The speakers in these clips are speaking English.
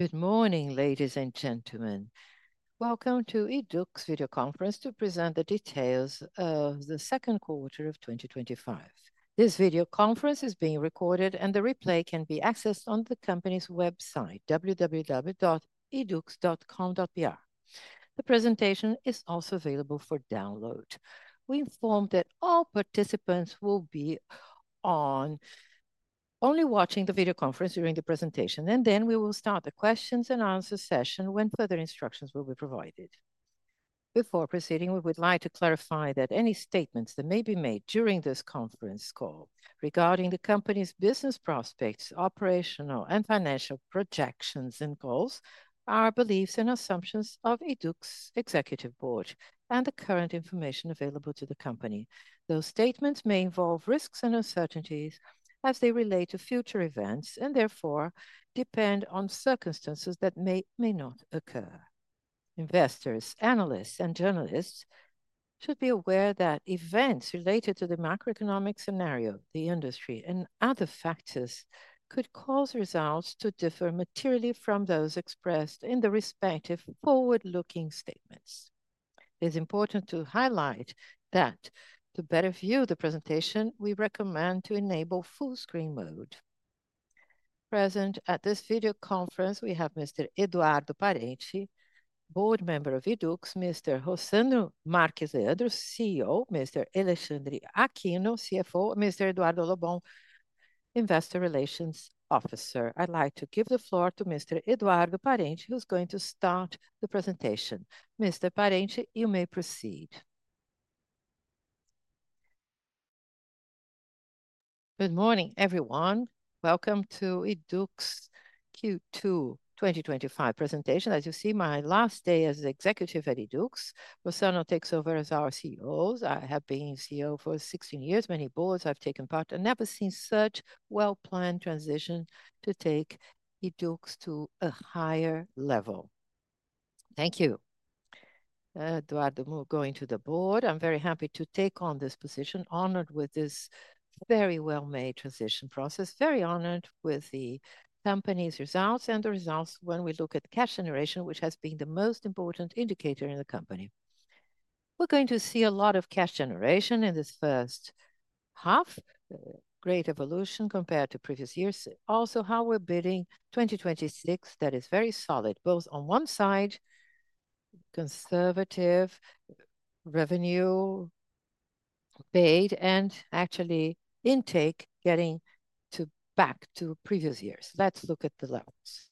Good morning, ladies and gentlemen. Welcome to Yduqs' Video Conference to present the details of the second quarter of 2025. This video conference is being recorded, and the replay can be accessed on the company's website, www.yduqs.com.br. The presentation is also available for download. We inform that all participants will be only watching the video conference during the presentation, and then we will start the questions and answer session when further instructions will be provided. Before proceeding, we would like to clarify that any statements that may be made during this conference call regarding the company's business prospects, operational and financial projections, and goals are beliefs and assumptions of Yduqs' executive board and the current information available to the company. Those statements may involve risks and uncertainties as they relate to future events and therefore depend on circumstances that may or may not occur. Investors, analysts, and journalists should be aware that events related to the macroeconomic scenario, the industry, and other factors could cause results to differ materially from those expressed in the respective forward-looking statements. It is important to highlight that to better view the presentation, we recommend to enable full screen mode. Present at this video conference, we have Mr. Eduardo Parente, Board Member of Yduqs, Mr. Rossano Marques Leandro, CEO, Mr. Alexandre Aquino, CFO, and Mr. Eduardo Lobão, Investor Relations Officer. I'd like to give the floor to Mr. Eduardo Parente, who's going to start the presentation. Mr. Parente, you may proceed. Good morning, everyone. Welcome to Yduqs' Q2 2025 presentation. As you see, my last day as an executive at Yduqs. Rossano takes over as our CEO. I have been CEO for 16 years, many boards I've taken part in, and never seen such a well-planned transition to take Yduqs to a higher level. Thank you. Eduardo will go into the board. I'm very happy to take on this position, honored with this very well-made transition process, very honored with the company's results and the results when we look at cash generation, which has been the most important indicator in the company. We're going to see a lot of cash generation in this first half, a great evolution compared to previous years. Also, how we're bidding 2026, that is very solid, both on one side, conservative revenue paid and actually intake getting back to previous years. Let's look at the levels.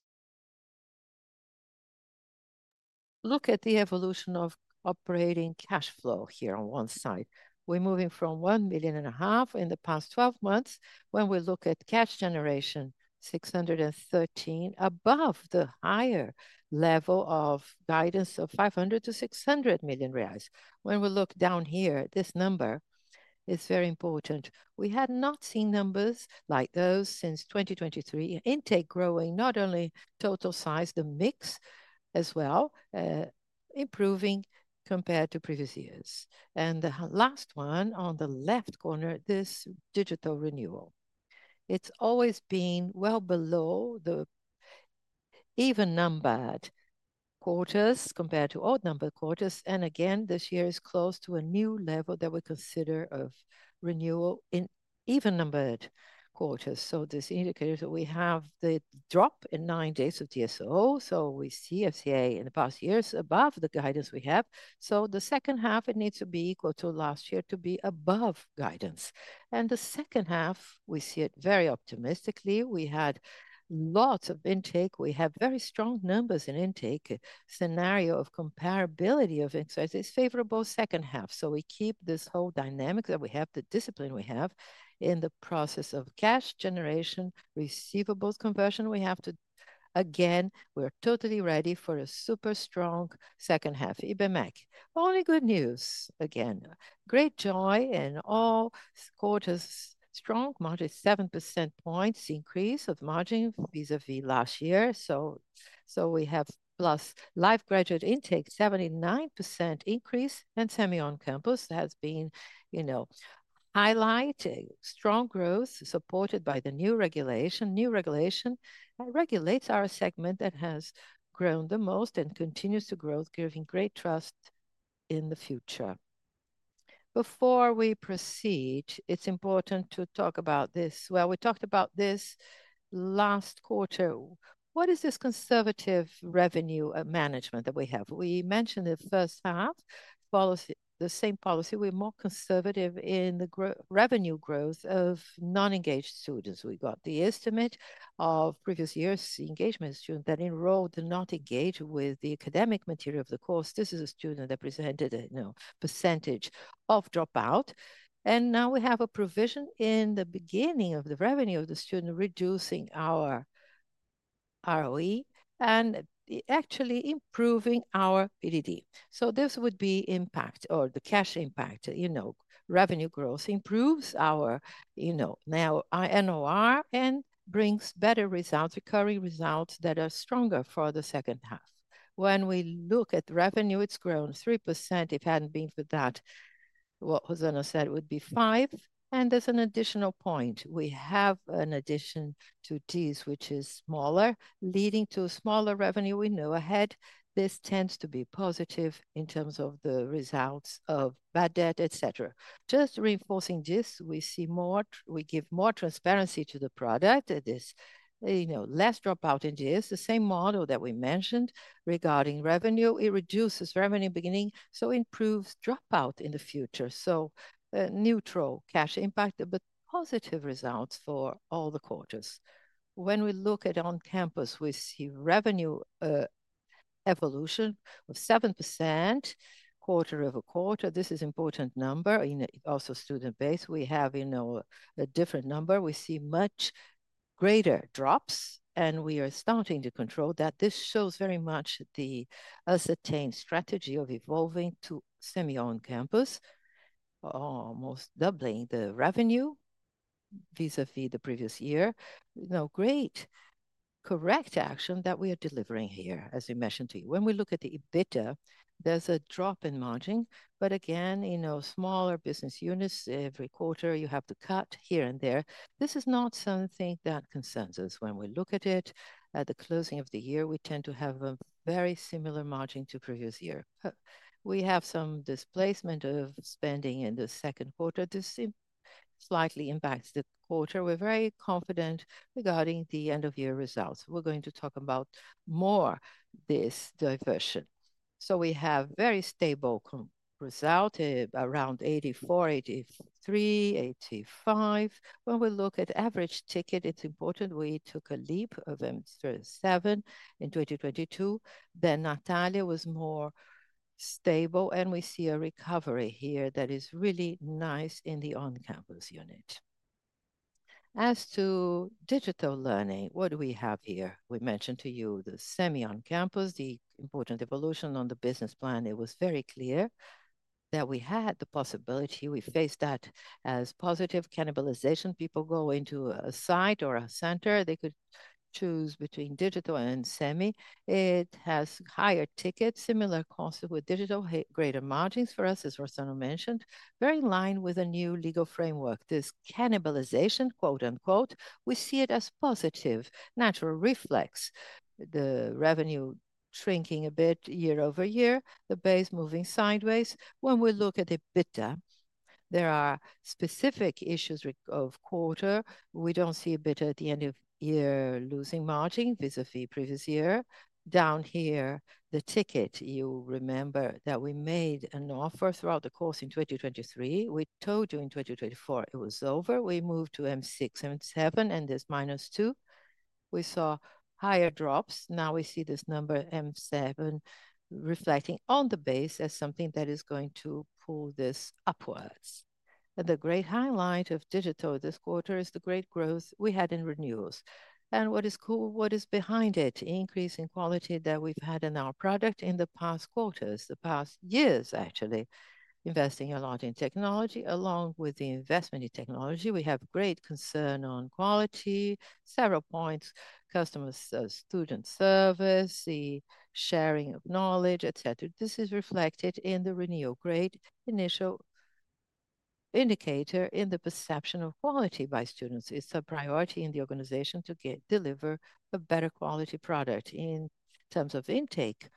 Look at the evolution of operating cash flow here on one side. We're moving from 1.5 million in the past 12 months. When we look at cash generation, 613 million above the higher level of guidance of 500 million-600 million reais. When we look down here, this number is very important. We had not seen numbers like those since 2023. Intake growing, not only total size, the mix as well, improving compared to previous years. The last one on the left corner, this digital renewal. It's always been well below the even-numbered quarters compared to odd-numbered quarters. This year is close to a new level that we consider of renewal in even-numbered quarters. This indicates that we have the drop in nine days of days sales outstanding (DSO). We see free cash flow to equity (FCFE) in the past years above the guidance we have. The second half, it needs to be equal to last year to be above guidance. The second half, we see it very optimistically. We had lots of intake. We have very strong numbers in intake. The scenario of comparability of interest is favorable second half. We keep this whole dynamic that we have, the discipline we have in the process of cash generation, receivables conversion. We have to, again, we're totally ready for a super strong second half. Ibmec, only good news, again. Great joy in all quarters, strong margin, 7% points increase of margin vis-à-vis last year. We have plus live graduate intake, 79% increase, and semi-on-campus has been highlighting strong growth supported by the new regulation. New regulation regulates our segment that has grown the most and continues to grow, giving great trust in the future. Before we proceed, it's important to talk about this. We talked about this last quarter. What is this conservative revenue management that we have? We mentioned the first half, the same policy. We're more conservative in the revenue growth of non-engaged students. We got the estimate of previous years, the engagement of students that enrolled did not engage with the academic material of the course. This is a student that presented a percentage of dropout. Now we have a provision in the beginning of the revenue of the student reducing our ROE and actually improving our EBITDA. This would be impact or the cash impact, revenue growth improves our, now our NOR and brings better results, recurring results that are stronger for the second half. When we look at revenue, it's grown 3%. If it hadn't been for that, what Rossano said would be 5. There's an additional point. We have an addition to DSO, which is smaller, leading to smaller revenue. We know ahead, this tends to be positive in terms of the results of bad debt, etc. Just reinforcing this, we see more, we give more transparency to the product. It is, you know, less dropout in DSO. The same model that we mentioned regarding revenue, it reduces revenue in the beginning, it improves dropout in the future. A neutral cash impact, but positive results for all the quarters. When we look at on-campus, we see revenue evolution of 7% quarter-over-quarter. This is an important number. Also, student base, we have, you know, a different number. We see much greater drops, and we are starting to control that. This shows very much the ascertained strategy of evolving to semi-on-campus, almost doubling the revenue vis-à-vis the previous year. Great correct action that we are delivering here, as we mentioned to you. When we look at the EBITDA, there's a drop in margin, but again, smaller business units every quarter, you have to cut here and there. This is not something that concerns us. When we look at it at the closing of the year, we tend to have a very similar margin to previous year. We have some displacement of spending in the second quarter. This slightly impacts the quarter. We're very confident regarding the end-of-year results. We're going to talk about more of this diversion. We have very stable results, around 84, 83, 85. When we look at average ticket, it's important we took a leap of 7 in 2022. Then Natalia was more stable, and we see a recovery here that is really nice in the on-campus unit. As to distance learning, what do we have here? We mentioned to you the semi-on-campus, the important evolution on the business plan. It was very clear that we had the possibility. We faced that as positive cannibalization. People go into a site or a center, they could choose between digital and semi. It has higher tickets, similar costs with digital, greater margins for us, as Rossano mentioned, very in line with a new legal framework. This cannibalization, quote unquote, we see it as positive, natural reflex. The revenue shrinking a bit year over year, the base moving sideways. When we look at EBITDA, there are specific issues of quarter. We don't see EBITDA at the end of year losing margin vis-à-vis previous year. Down here, the ticket, you remember that we made an offer throughout the course in 2023. We told you in 2024 it was over. We moved to M6, M7, and there's minus two. We saw higher drops. Now we see this number M7 reflecting on the base as something that is going to pull this upwards. The great highlight of digital this quarter is the great growth we had in renewals. What is cool, what is behind it, increase in quality that we've had in our product in the past quarters, the past years, actually, investing a lot in technology. Along with the investment in technology, we have great concern on quality, several points, customer student service, the sharing of knowledge, etc. This is reflected in the renewal grade initial indicator in the perception of quality by students. It's a priority in the organization to deliver a better quality product. In terms of intake,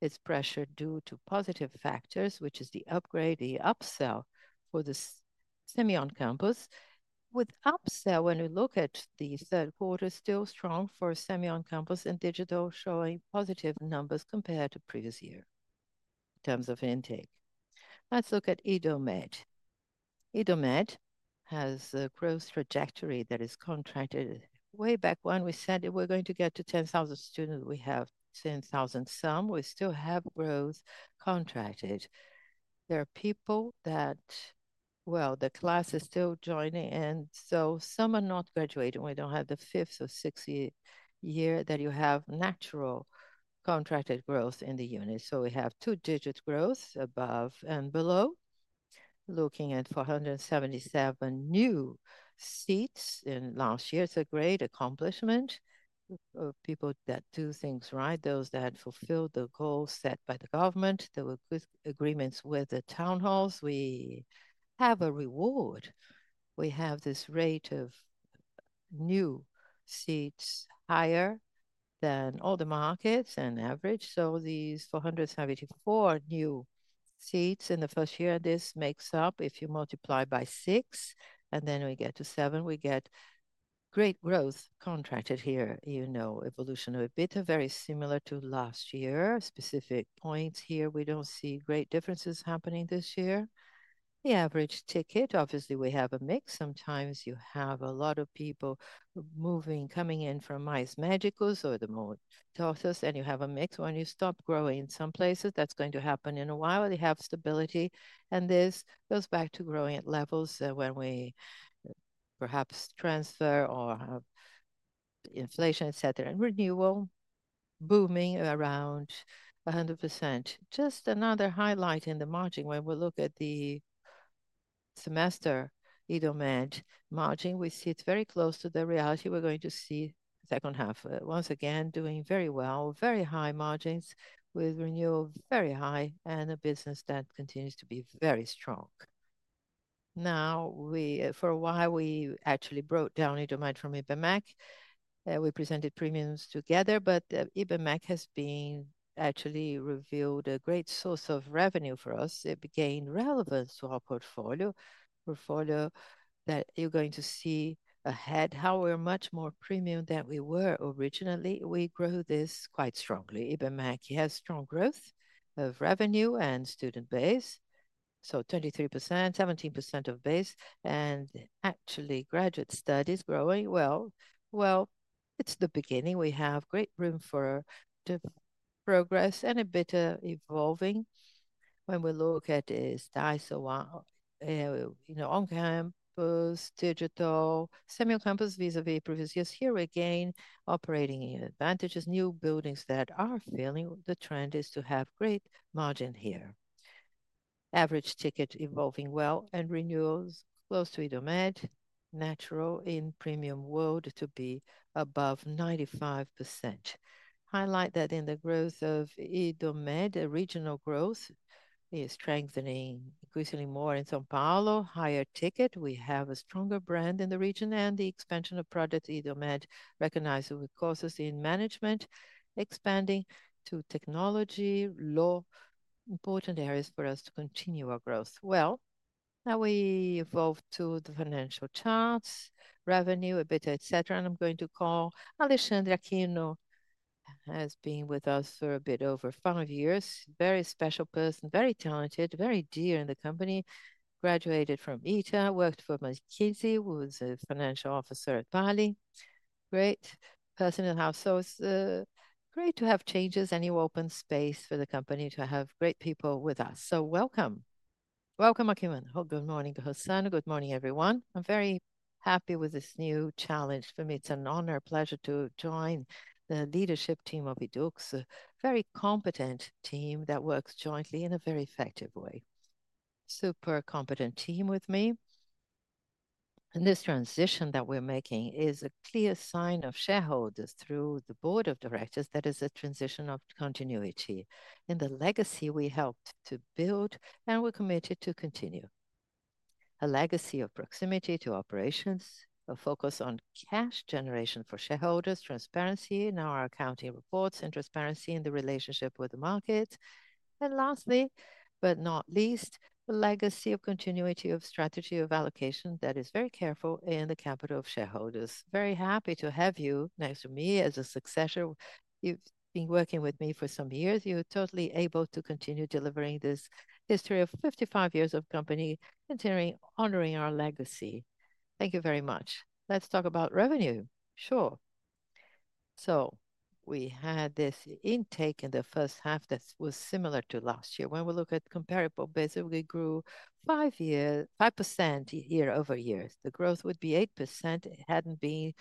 it's pressured due to positive factors, which is the upgrade, the upsell for the semi-on-campus. With upsell, when we look at the third quarter, still strong for semi-on-campus and digital showing positive numbers compared to previous year in terms of intake. Let's look at idomed. idomed has a growth trajectory that is contracted way back when we said we're going to get to 10,000 students. We have 10,000 some. We still have growth contracted. There are people that, the class is still joining, and some are not graduating. We don't have the fifth or sixth year that you have natural contracted growth in the unit. We have two-digit growth above and below, looking at 477 new seats in last year. It's a great accomplishment of people that do things right, those that fulfill the goals set by the government, the agreements with the town halls. We have a reward. We have this rate of new seats higher than all the markets and average. These 474 new seats in the first year, this makes up if you multiply by six, and then we get to seven. We get great growth contracted here. You know, evolution of EBITDA very similar to last year. Specific points here, we don't see great differences happening this year. The average ticket, obviously, we have a mix. Sometimes you have a lot of people moving, coming in from Mice Magicals or the Mall Tossas, and you have a mix when you stop growing. In some places, that's going to happen in a while. They have stability, and this goes back to growing at levels when we perhaps transfer or have inflation, etc., and renewal booming around 100%. Just another highlight in the margin. When we look at the semester Idomed margin, we see it's very close to the reality we're going to see second half. Once again, doing very well, very high margins with renewal very high, and a business that continues to be very strong. For a while, we actually broke down Idomed from Ibmec. We presented premiums together, but Ibmec has been actually revealed a great source of revenue for us. It became relevant to our portfolio that you're going to see ahead how we're much more premium than we were originally. We grow this quite strongly. Ibmec has strong growth of revenue and student base. So 23%, 17% of base, and actually graduate studies growing well. It's the beginning. We have great room for progress and a bit of evolving. When we look at DSO, on-campus, digital, semi-on-campus vis-à-vis previous years, here again, operating in advantages, new buildings that are failing. The trend is to have great margin here. Average ticket evolving well and renewals close to Idomed, natural in premium world to be above 95%. Highlight that in the growth of Idomed, the regional growth is strengthening, increasingly more in São Paulo, higher ticket. We have a stronger brand in the region and the expansion of product Idomed recognizes with causes in management, expanding to technology, law, important areas for us to continue our growth. Now we evolve to the financial charts, revenue, a bit of etc. I'm going to call Alexandre Aquino, who has been with us for a bit over five years. Very special person, very talented, very dear in the company. Graduated from ITA, worked for McKinsey, was a Financial Officer at Tallinn. Great person in the house. It's great to have changes and new open space for the company to have great people with us. Welcome. Welcome, Aquino. Good morning, Rossano and good morning, everyone. I'm very happy with this new challenge for me. It's an honor, a pleasure to join the leadership team of Yduqs, a very competent team that works jointly in a very effective way. Super competent team with me. This transition that we're making is a clear sign of shareholders through the Board of Directors that is a transition of continuity in the legacy we helped to build and we're committed to continue. A legacy of proximity to operations, a focus on cash generation for shareholders, transparency in our accounting reports, and transparency in the relationship with the markets. Lastly, but not least, a legacy of continuity of strategy of allocation that is very careful in the capital of shareholders. Very happy to have you next to me as a successor. You've been working with me for some years. You're totally able to continue delivering this history of 55 years of company and honoring our legacy. Thank you very much. Let's talk about revenue. Sure. We had this intake in the first half that was similar to last year. When we look at comparable basis, we grew 5% year-over-year. The growth would be 8% if it hadn't been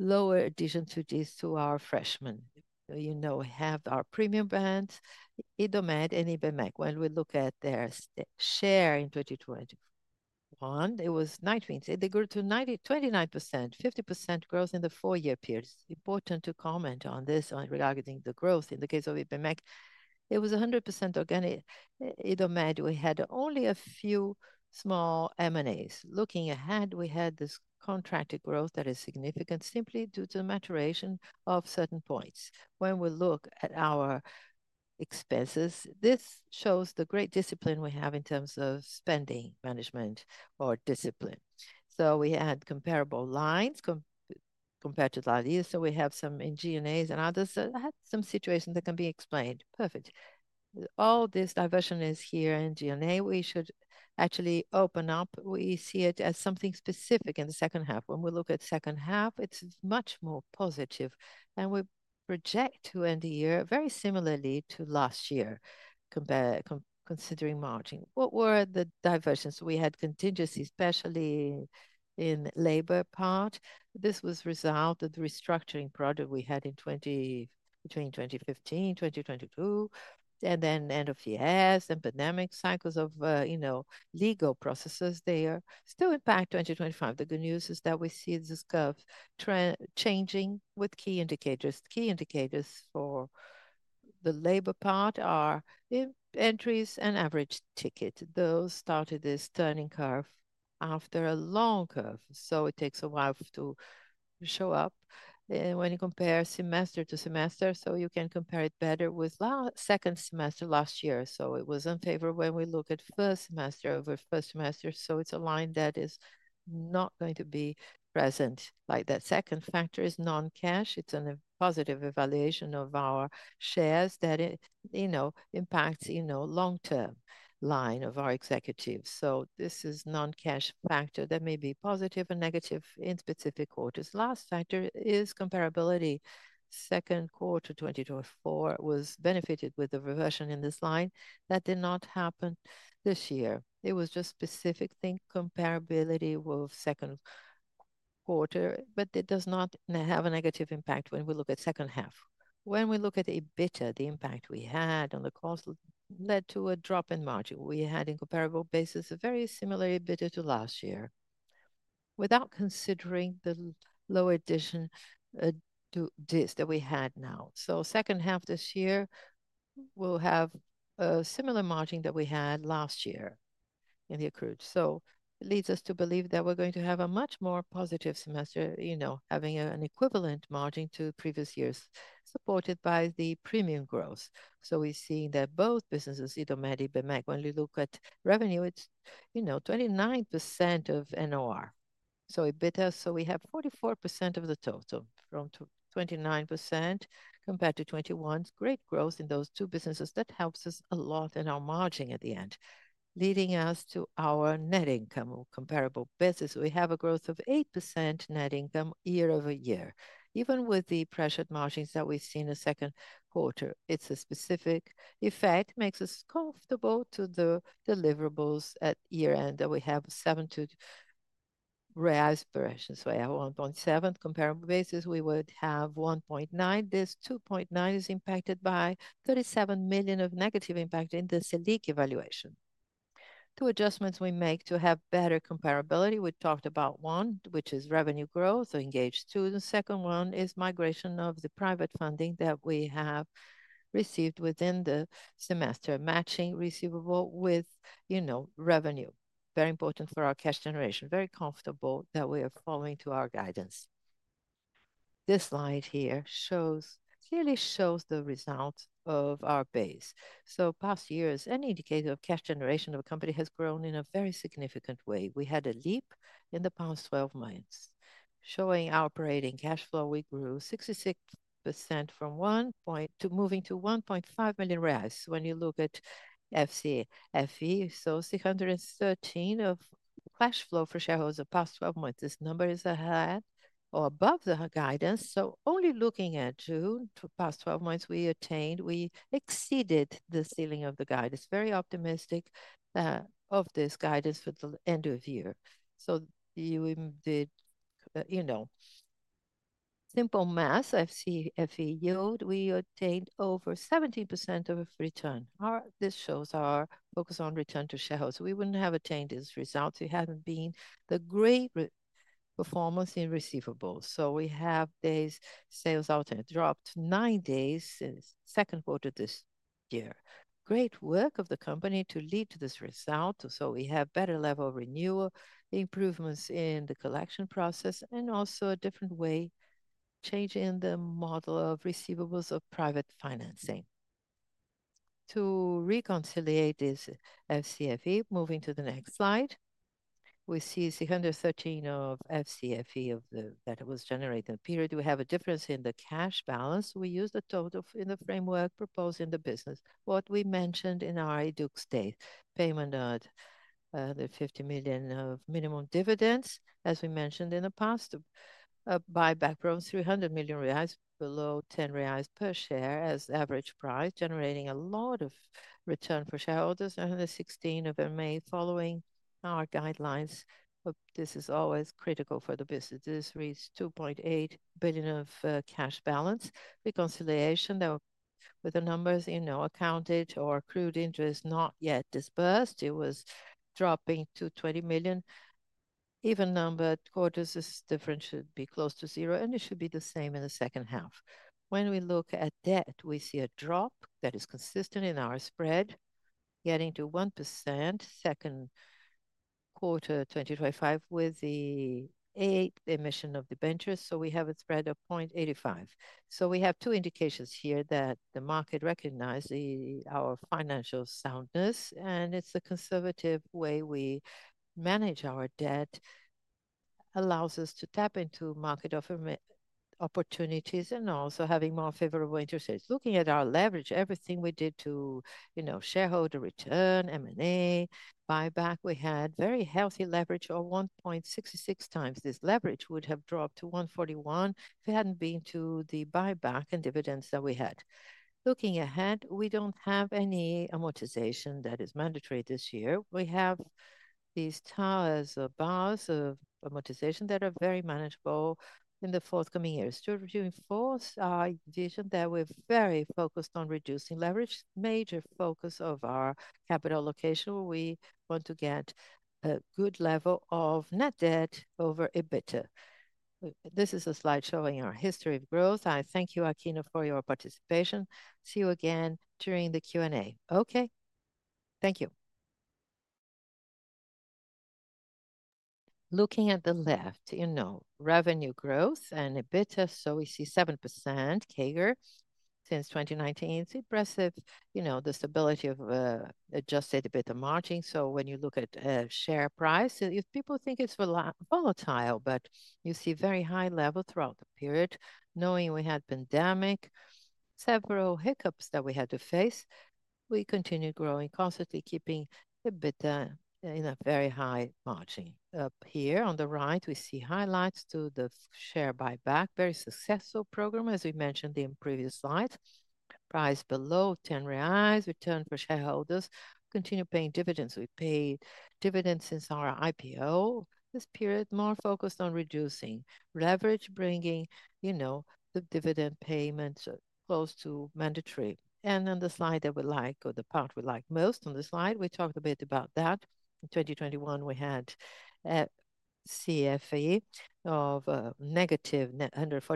lower additions to our freshmen. We have our premium brands, Idomed and Ibmec. When we look at their share in 2021, it was 19%. They grew to 29%, 50% growth in the four-year period. It's important to comment on this regarding the growth in the case of Ibmec. It was 100% organic. We had only a few small M&A. Looking ahead, we had this contracted growth that is significant simply due to the maturation of certain points. When we look at our expenses, this shows the great discipline we have in terms of spending management or discipline. We had comparable lines compared to last year. We have some in G&A and others. That's some situations that can be explained. Perfect. All this diversion is here in G&A. We should actually open up. We see it as something specific in the second half. When we look at the second half, it's much more positive. We project to end the year very similarly to last year considering margin. What were the diversions? We had contingencies, especially in the labor part. This was resolved with the restructuring project we had in 2015, 2022, and then end of year and pandemic cycles of legal processes that still impact 2025. The good news is that we see this curve changing with key indicators. Key indicators for the labor part are entries and average ticket. Those started this turning curve after a long curve. It takes a while to show up when you compare semester to semester. You can compare it better with the second semester last year. It was unfavorable when we look at first semester over first semester. It's a line that is not going to be present like that. Second factor is non-cash. It's a positive evaluation of our shares that impacts long-term line of our executives. This is a non-cash factor that may be positive or negative in specific quarters. Last factor is comparability. The second quarter of 2024 was benefited with the reversion in this line. That did not happen this year. It was just specific think comparability with the second quarter, but it does not have a negative impact when we look at the second half. When we look at EBITDA, the impact we had on the cost led to a drop in margin. We had in comparable basis a very similar EBITDA to last year without considering the lower addition to this that we had now. The second half this year will have a similar margin that we had last year in the accrued. It leads us to believe that we're going to have a much more positive semester, you know, having an equivalent margin to previous years supported by the premium growth. We're seeing that both businesses, Idomed and Ibmec, when we look at revenue, it's, you know, 29% of NOR. EBITDA, so we have 44% of the total grown to 29% compared to 2021. Great growth in those two businesses. That helps us a lot in our margin at the end, leading us to our net income or comparable business. We have a growth of 8% net income year over year. Even with the pressured margins that we see in the second quarter, it's a specific effect, makes us comfortable to the deliverables at year-end that we have seven to raise operations. We have 1.7 comparable basis. We would have 1.9. This 2.9 is impacted by 37 million of negative impact in the SELIC evaluation. Two adjustments we make to have better comparability. We talked about one, which is revenue growth, engaged students. The second one is migration of the private funding that we have received within the semester, matching receivable with, you know, revenue. Very important for our cash generation. Very comfortable that we are following to our guidance. This slide here clearly shows the result of our base. Past years, any indicator of cash generation of a company has grown in a very significant way. We had a leap in the past 12 months, showing our operating cash flow. We grew 66% from one point to moving to 1.5 million reais when you look at FCFE. FCFE saw 613 of cash flow for shareholders in the past 12 months. This number is ahead or above the guidance. Only looking at June, the past 12 months we attained, we exceeded the ceiling of the guidance. Very optimistic, of this guidance for the end of year. You did, you know, simple math. FCFE yield, we attained over 17% of return. This shows our focus on return to shareholders. We wouldn't have attained these results if it hadn't been the great performance in receivables. We have days sales outstanding dropped nine days in the second quarter of this year. Great work of the company to lead to this result. We have better level of renewal, improvements in the collection process, and also a different way of changing the model of receivables of private financing. To reconcile this FCFE, moving to the next slide, we see 613 of FCFE that was generated. We have a difference in the cash balance. We use the total in the framework proposed in the business. What we mentioned in our Yduqs date, payment of the 50 million of minimum dividends, as we mentioned in the past, buyback runs 300 million reais below 10 reais per share as average price, generating a lot of return for shareholders. 116 of them made following our guidelines. This is always critical for the business. This reached 2.8 billion of cash balance. Reconciliation though, with the numbers, you know, accounted or accrued interest not yet disbursed. It was dropping to 20 million. Even numbered quarters, this difference should be close to zero, and it should be the same in the second half. When we look at debt, we see a drop that is consistent in our spread, getting to 1% second quarter 2025 with the 8% emission of the debentures. We have a spread of 0.85. We have two indications here that the market recognizes our financial soundness, and it's a conservative way we manage our debt, allows us to tap into market opportunities and also having more favorable interest rates. Looking at our leverage, everything we did to, you know, shareholder return, M&A, buyback, we had very healthy leverage of 1.66 times. This leverage would have dropped to 1.41 if it hadn't been to the buyback and dividends that we had. Looking ahead, we don't have any amortization that is mandatory this year. We have these towers or bars of amortization that are very manageable in the forthcoming years. To reinforce our vision that we're very focused on reducing leverage, major focus of our capital allocation, we want to get a good level of net debt/EBITDA. This is a slide showing our history of growth. I thank you, Aquino, for your participation. See you again during the Q&A. Okay. Thank you. Looking at the left, you know, revenue growth and EBITDA, we see 7% CAGR since 2019. It's impressive, you know, the stability of adjusted EBITDA margin. When you look at share price, if people think it's volatile, you see very high level throughout the period, knowing we had a pandemic, several hiccups that we had to face, we continued growing constantly, keeping EBITDA in a very high margin. Up here on the right, we see highlights to the share buyback, very successful program, as we mentioned in previous slides. Price below 10 reais, return for shareholders, continue paying dividends. We paid dividends since our IPO. This period more focused on reducing leverage, bringing the dividend payments close to mandatory. On the slide that we like, or the part we like most on the slide, we talked a bit about that. In 2021, we had a FCFE of -149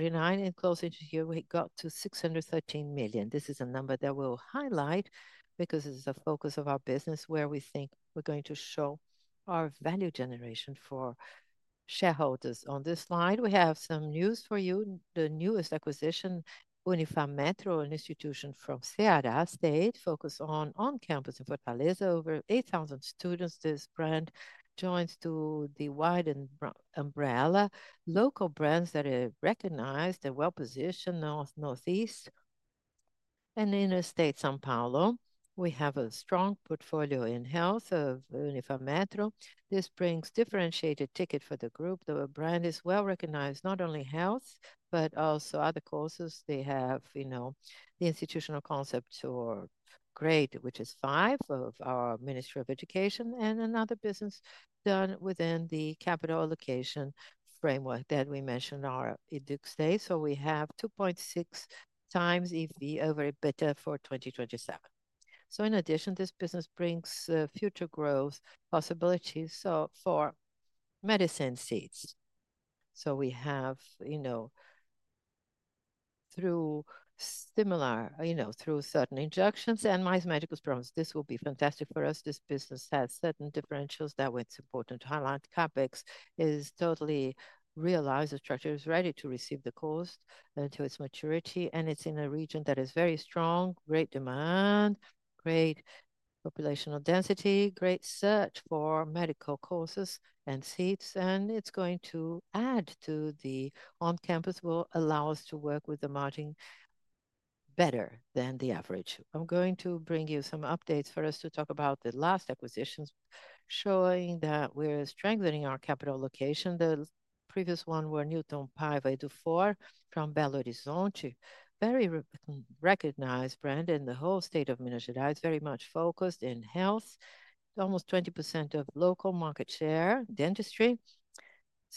million, and closing to here, we got to 613 million. This is a number that we'll highlight because this is a focus of our business where we think we're going to show our value generation for shareholders. On this slide, we have some news for you. The newest acquisition, Unifametro, an institution from Ceará State, focused on on-campus and for talents, over 8,000 students. This brand joins to the wide umbrella, local brands that are recognized and well-positioned in the Northeast and inner state São Paulo. We have a strong portfolio in health of Unifametro. This brings differentiated tickets for the group. The brand is well recognized, not only health, but also other causes. They have the institutional concept or grade, which is five of our Ministry of Education, and another business done within the capital allocation framework that we mentioned, our Yduqs state. We have 2.6x EV over EBITDA for 2027. In addition, this business brings future growth possibilities for medicine seats. We have, through certain injections and mice medicals programs. This will be fantastic for us. This business has certain differentials that would support and highlight. CapEx is totally realized. The structure is ready to receive the cost until its maturity, and it's in a region that is very strong, great demand, great population density, great search for medical causes and seats, and it's going to add to the on-campus will allow us to work with the margin better than the average. I'm going to bring you some updates for us to talk about the last acquisitions, showing that we're strengthening our capital location. The previous one were Newton Pive IDU4 from Belo Horizonte, very recognized brand in the whole state of Minas Gerais. It's very much focused in health. It's almost 20% of local market share dentistry.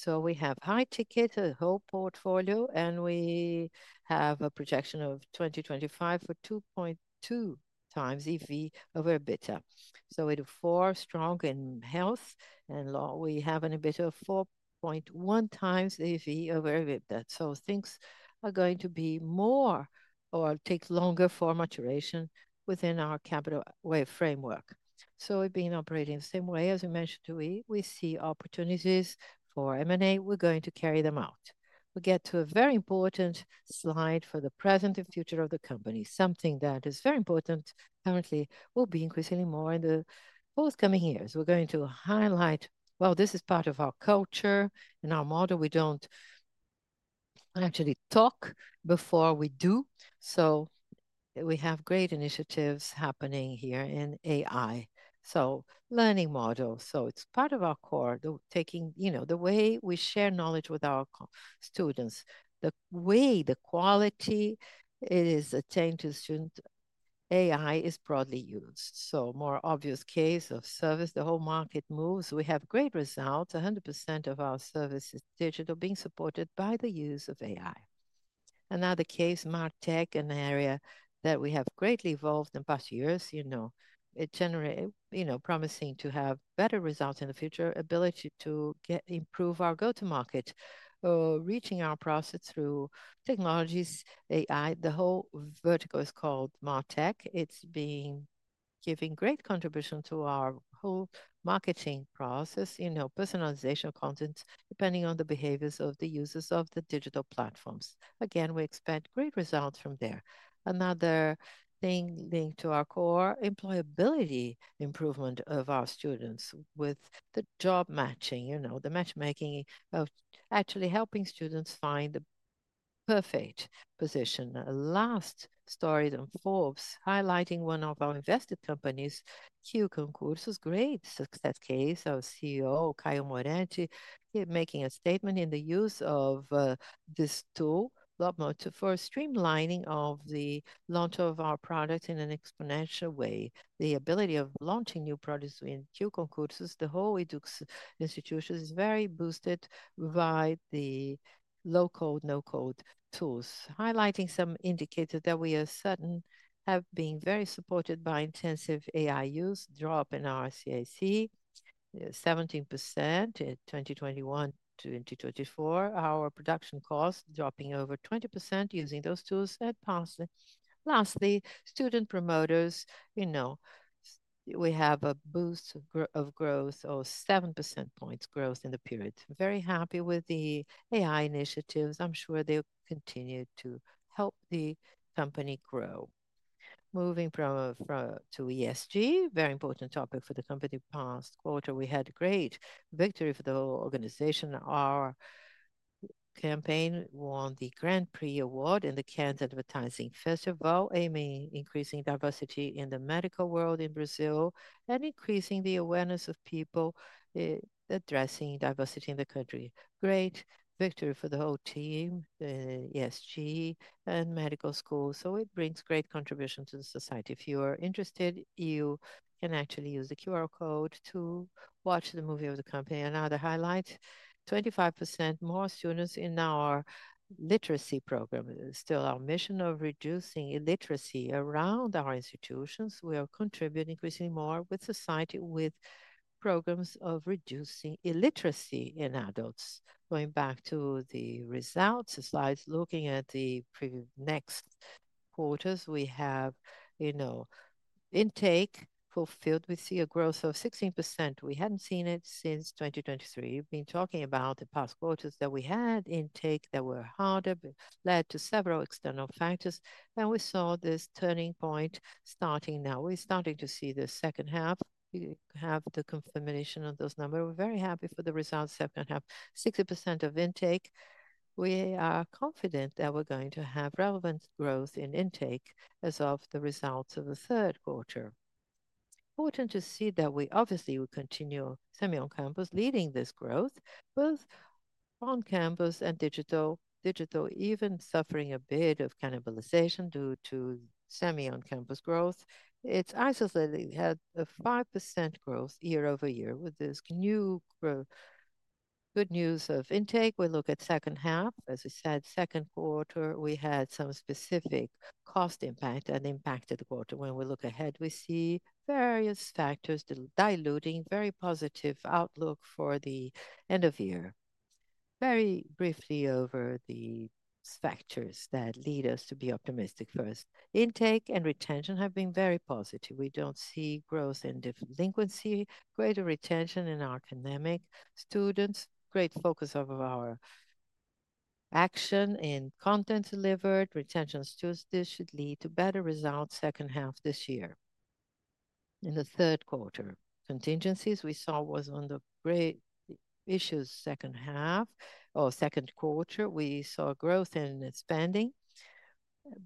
We have high ticket, a whole portfolio, and we have a projection of 2025 for 2.2 times EV over EBITDA. IDU4 strong in health and law. We have an EBITDA of 4.1x EV over EBITDA. Things are going to be more or take longer for maturation within our capital wave framework. We've been operating the same way. As we mentioned to you, we see opportunities for M&A. We're going to carry them out. We get to a very important slide for the present and future of the company, something that is very important. Currently, we'll be increasingly more in the forthcoming years. We're going to highlight, this is part of our culture and our model. We don't actually talk before we do. We have great initiatives happening here in AI, learning models. It's part of our core, the taking, you know, the way we share knowledge with our students, the way the quality is attained to students. AI is broadly used. A more obvious case of service, the whole market moves. We have great results. 100% of our service is digital, being supported by the use of AI. Another case, martech, an area that we have greatly evolved in the past years, it generates, you know, promising to have better results in the future, ability to improve our go-to-market, or reaching our process through technologies, AI. The whole vertical is called martech. It's been giving great contribution to our whole marketing process, personalization content, depending on the behaviors of the users of the digital platforms. Again, we expect great results from there. Another thing linked to our core, employability improvement of our students with the job matching, the matchmaking of actually helping students find the perfect position. The last story that involves highlighting one of our invested companies, QConcursus, great success case. Our CEO, Caio Moretti, is making a statement in the use of this tool, Lobon, for streamlining of the launch of our product in an exponential way. The ability of launching new products in QConcursus, the whole Yduqs institution, is very boosted by the low-code, no-code tools, highlighting some indicators that we have been very supported by intensive AI use. Drop in our CAC is 17% in 2021 to 2024. Our production costs are dropping over 20% using those tools advanced. Lastly, student promoters, you know, we have a boost of growth of 7% points growth in the period. Very happy with the AI initiatives. I'm sure they'll continue to help the company grow. Moving from to ESG, a very important topic for the company. The past quarter, we had a great victory for the whole organization. Our campaign won the Grand Prix Award in the Cannes Advertising Festival, aiming increasing diversity in the medical world in Brazil and increasing the awareness of people addressing diversity in the country. Great victory for the whole team, the ESG and medical schools. It brings great contribution to the society. If you are interested, you can actually use the QR code to watch the movie of the campaign. Another highlight, 25% more students in our literacy program. It's still our mission of reducing illiteracy around our institutions. We are contributing increasingly more with society with programs of reducing illiteracy in adults. Going back to the results, the slides looking at the next quarters, we have, you know, intake fulfilled. We see a growth of 16%. We hadn't seen it since 2023. We've been talking about the past quarters that we had intake that were harder, led to several external factors, and we saw this turning point starting now. We're starting to see the second half. We have the confirmation of those numbers. We're very happy for the results. The second half, 60% of intake. We are confident that we're going to have relevant growth in intake as of the results of the third quarter. Important to see that we obviously will continue semi-on-campus leading this growth, both on-campus and digital, digital even suffering a bit of cannibalization due to semi-on-campus growth. It's isolated. We had a 5% growth year over year with this new growth. Good news of intake. We look at the second half. As I said, second quarter, we had some specific cost impact and impacted the quarter. When we look ahead, we see various factors diluting a very positive outlook for the end of year. Very briefly over the factors that lead us to be optimistic for us. Intake and retention have been very positive. We don't see growth in delinquency, greater retention in our academic students, great focus of our action in content delivered. Retention is just this should lead to better results second half this year. In the third quarter, contingencies we saw were on the great issues second half or second quarter. We saw growth in spending,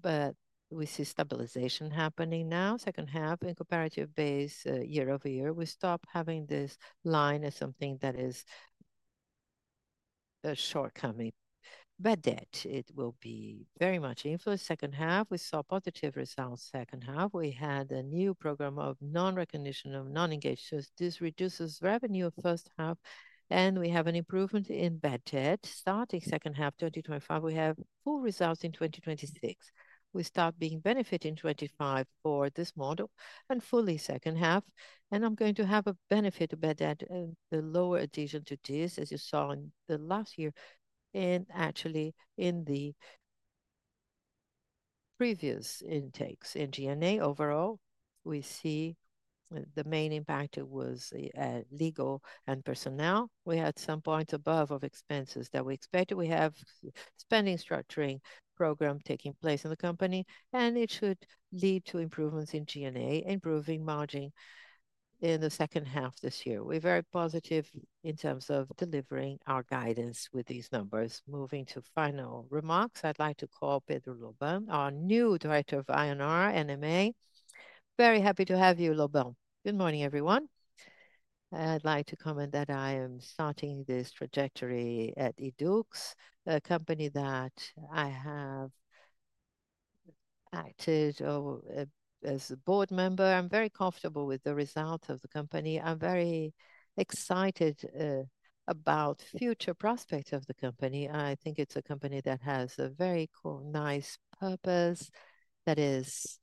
but we see stabilization happening now. Second half in comparative base year over year. We stopped having this line as something that is a shortcoming. Bad debt, it will be very much influenced second half. We saw positive results second half. We had a new program of non-recognition of non-engaged. This reduces revenue of the first half, and we have an improvement in bad debt. Starting second half 2025, we have full results in 2026. We start being benefiting in 2025 for this model and fully second half. I'm going to have a benefit of bad debt and the lower adhesion to this as you saw in the last year and actually in the previous intakes. In G&A overall, we see the main impact was legal and personnel. We had some points above of expenses that we expected. We have spending structuring program taking place in the company, and it should lead to improvements in G&A, improving margin in the second half this year. We're very positive in terms of delivering our guidance with these numbers. Moving to final remarks, I'd like to call Pedro Lobão, our new Director of IR, M&A. Very happy to have you, Lobão. Good morning, everyone. I'd like to comment that I am starting this trajectory at Yduqs, a company that I have acted as a Board Member. I'm very comfortable with the results of the company. I'm very excited about future prospects of the company. I think it's a company that has a very nice purpose that is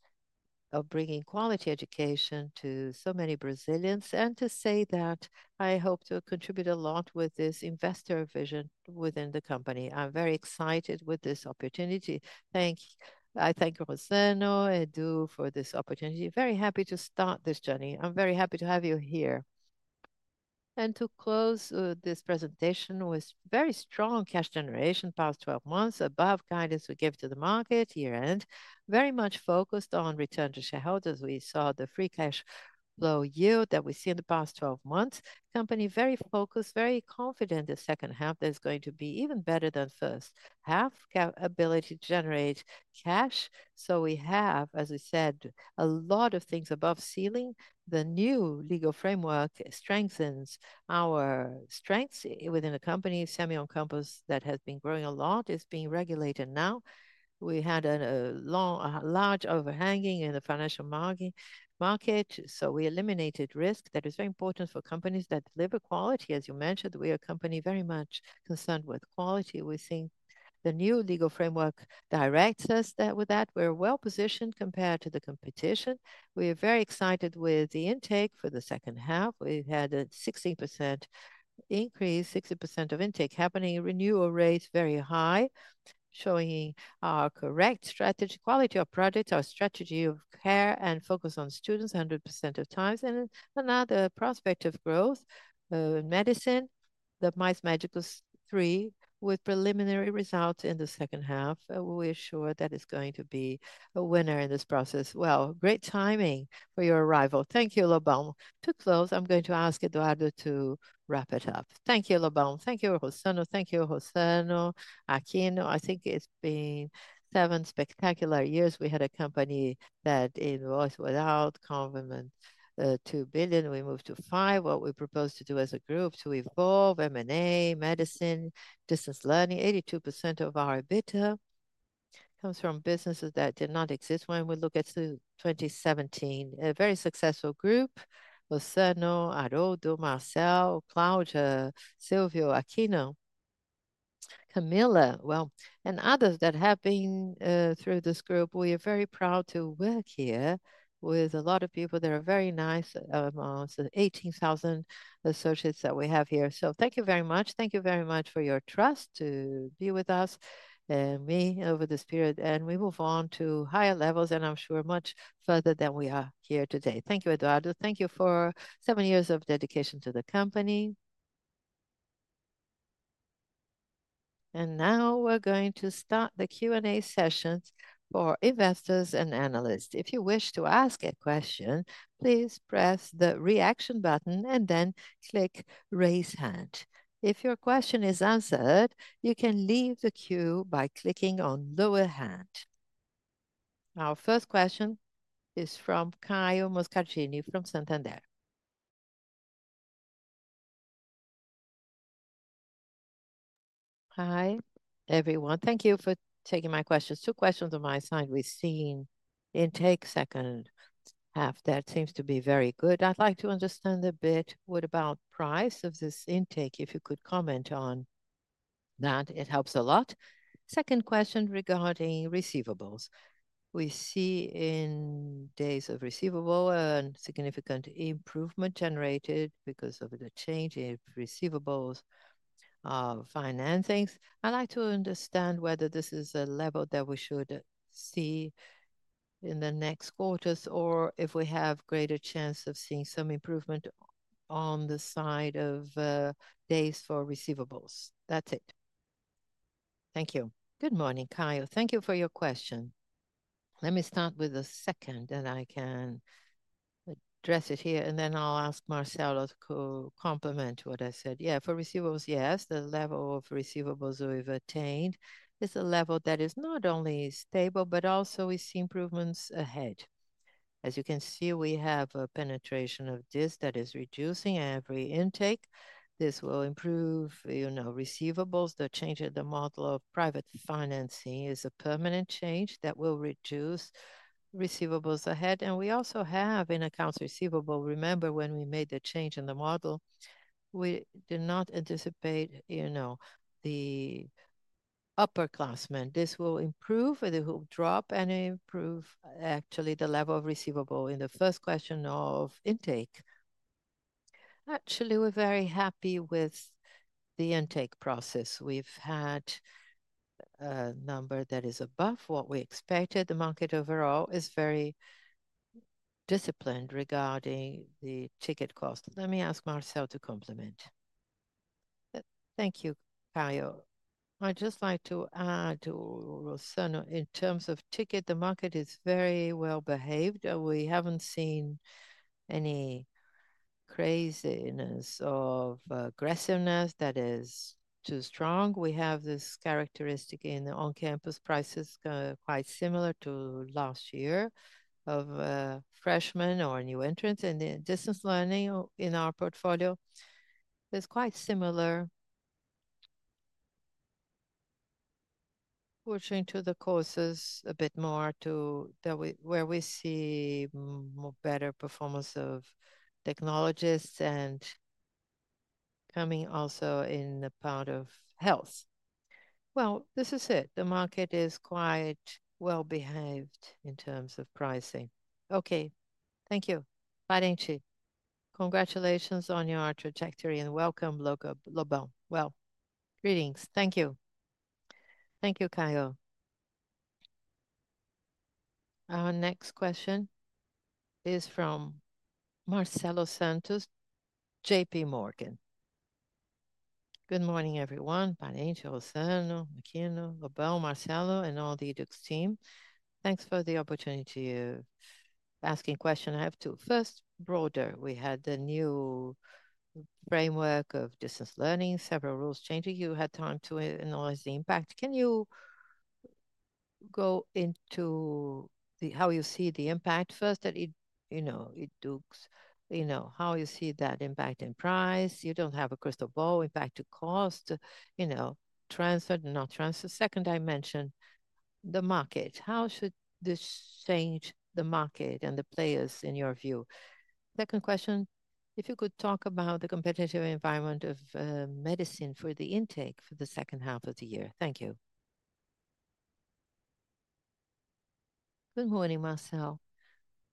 bringing quality education to so many Brazilians. To say that I hope to contribute a lot with this investor vision within the company. I'm very excited with this opportunity. Thank you. I thank Rossano [and Edu] for this opportunity. Very happy to start this journey. I'm very happy to have you here. To close this presentation with very strong cash generation in the past 12 months, above guidance we gave to the market year-end, very much focused on return to shareholders. We saw the free cash flow yield that we see in the past 12 months. The company is very focused, very confident in the second half is going to be even better than the first half, ability to generate cash. We have, as I said, a lot of things above ceiling. The new legal framework strengthens our strengths within the company. Semi-on-campus that has been growing a lot is being regulated now. We had a long, a large overhanging in the financial market. We eliminated risk. That is very important for companies that deliver quality. As you mentioned, we are a company very much concerned with quality. We think the new legal framework directs us with that. We're well positioned compared to the competition. We are very excited with the intake for the second half. We've had a 16% increase, 60% of intake happening. Renewal rates are very high, showing our correct strategy, quality of products, our strategy of care, and focus on students 100% of times. Another prospect of growth, medicine, the Mice Magicals III, with preliminary results in the second half. We're sure that it's going to be a winner in this process. Great timing for your arrival. Thank you, Lobão. To close, I'm going to ask Eduardo to wrap it up. Thank you, Lobão. Thank you, Rossano. Thank you, Rossano and, Aquino. I think it's been seven spectacular years. We had a company that was without convenient two billion. We moved to five. What we propose to do as a group to evolve M&A, medicine, distance learning, 82% of our EBITDA comes from businesses that did not exist when we look at 2017. A very successful group, Rossano, Aroldo, Marcel, Claudia, Silvio, Aquino, Camilla, and others that have been through this group. We are very proud to work here with a lot of people that are very nice. Almost 18,000 associates that we have here. Thank you very much. Thank you very much for your trust to be with us and me over this period. We move on to higher levels and I'm sure much further than we are here today. Thank you, Eduardo. Thank you for seven years of dedication to the company. Now we're going to start the Q&A sessions for investors and analysts. If you wish to ask a question, please press the reaction button and then click raise hand. If your question is answered, you can leave the queue by clicking on lower hand. Our first question is from Caio Moscarcini from Santander. Hi, everyone. Thank you for taking my questions. Two questions on my side. We've seen intake second half. That seems to be very good. I'd like to understand a bit what about the price of this intake. If you could comment on that, it helps a lot. Second question regarding receivables. We see in days of receivable a significant improvement generated because of the change in receivables of financing. I'd like to understand whether this is a level that we should see in the next quarters or if we have a greater chance of seeing some improvement on the side of days for receivables. That's it. Thank you. Good morning, Caio. Thank you for your question. Let me start with a second and I can address it here, and then I'll ask Marcelo to complement what I said. For receivables, yes, the level of receivables we've attained is a level that is not only stable, but also we see improvements ahead. As you can see, we have a penetration of this that is reducing every intake. This will improve receivables. The change in the model of private financing is a permanent change that will reduce receivables ahead. We also have in accounts receivable. Remember when we made the change in the model, we did not anticipate the upperclassmen. This will improve or it will drop and improve actually the level of receivable in the first question of intake. Actually, we're very happy with the intake process. We've had a number that is above what we expected. The market overall is very disciplined regarding the ticket cost. Let me ask [Marcelo] to complement. Thank you, Caio. I'd just like to add to Rossano. In terms of ticket, the market is very well behaved. We haven't seen any craziness or aggressiveness that is too strong. We have this characteristic in the on-campus prices quite similar to last year of freshmen or new entrants. The distance learning in our portfolio is quite similar, switching to the courses a bit more to where we see a better performance of technologists and coming also in the part of health. This is it. The market is quite well behaved in terms of pricing. Thank you. Parente. Congratulations on your trajectory and welcome, Lobão. Greetings. Thank you. Thank you, Caio. Our next question is from Marcelo Santos, JP Morgan. Good morning, everyone. Parente, Rossano, Aquino, Lobão, Marcelo, and all the Yduqs team. Thanks for the opportunity of asking questions. I have two. First, broader. We had the new framework of distance learning. Several rules changing. You had time to analyze the impact. Can you go into how you see the impact? First, that you know how you see that impact in price. You don't have a crystal ball. Impact to cost, transferred and not transferred. Second, I mentioned the market. How should this change the market and the players in your view? Second question. If you could talk about the competitive environment of medicine for the intake for the second half of the year. Thank you. Good morning, Marcel.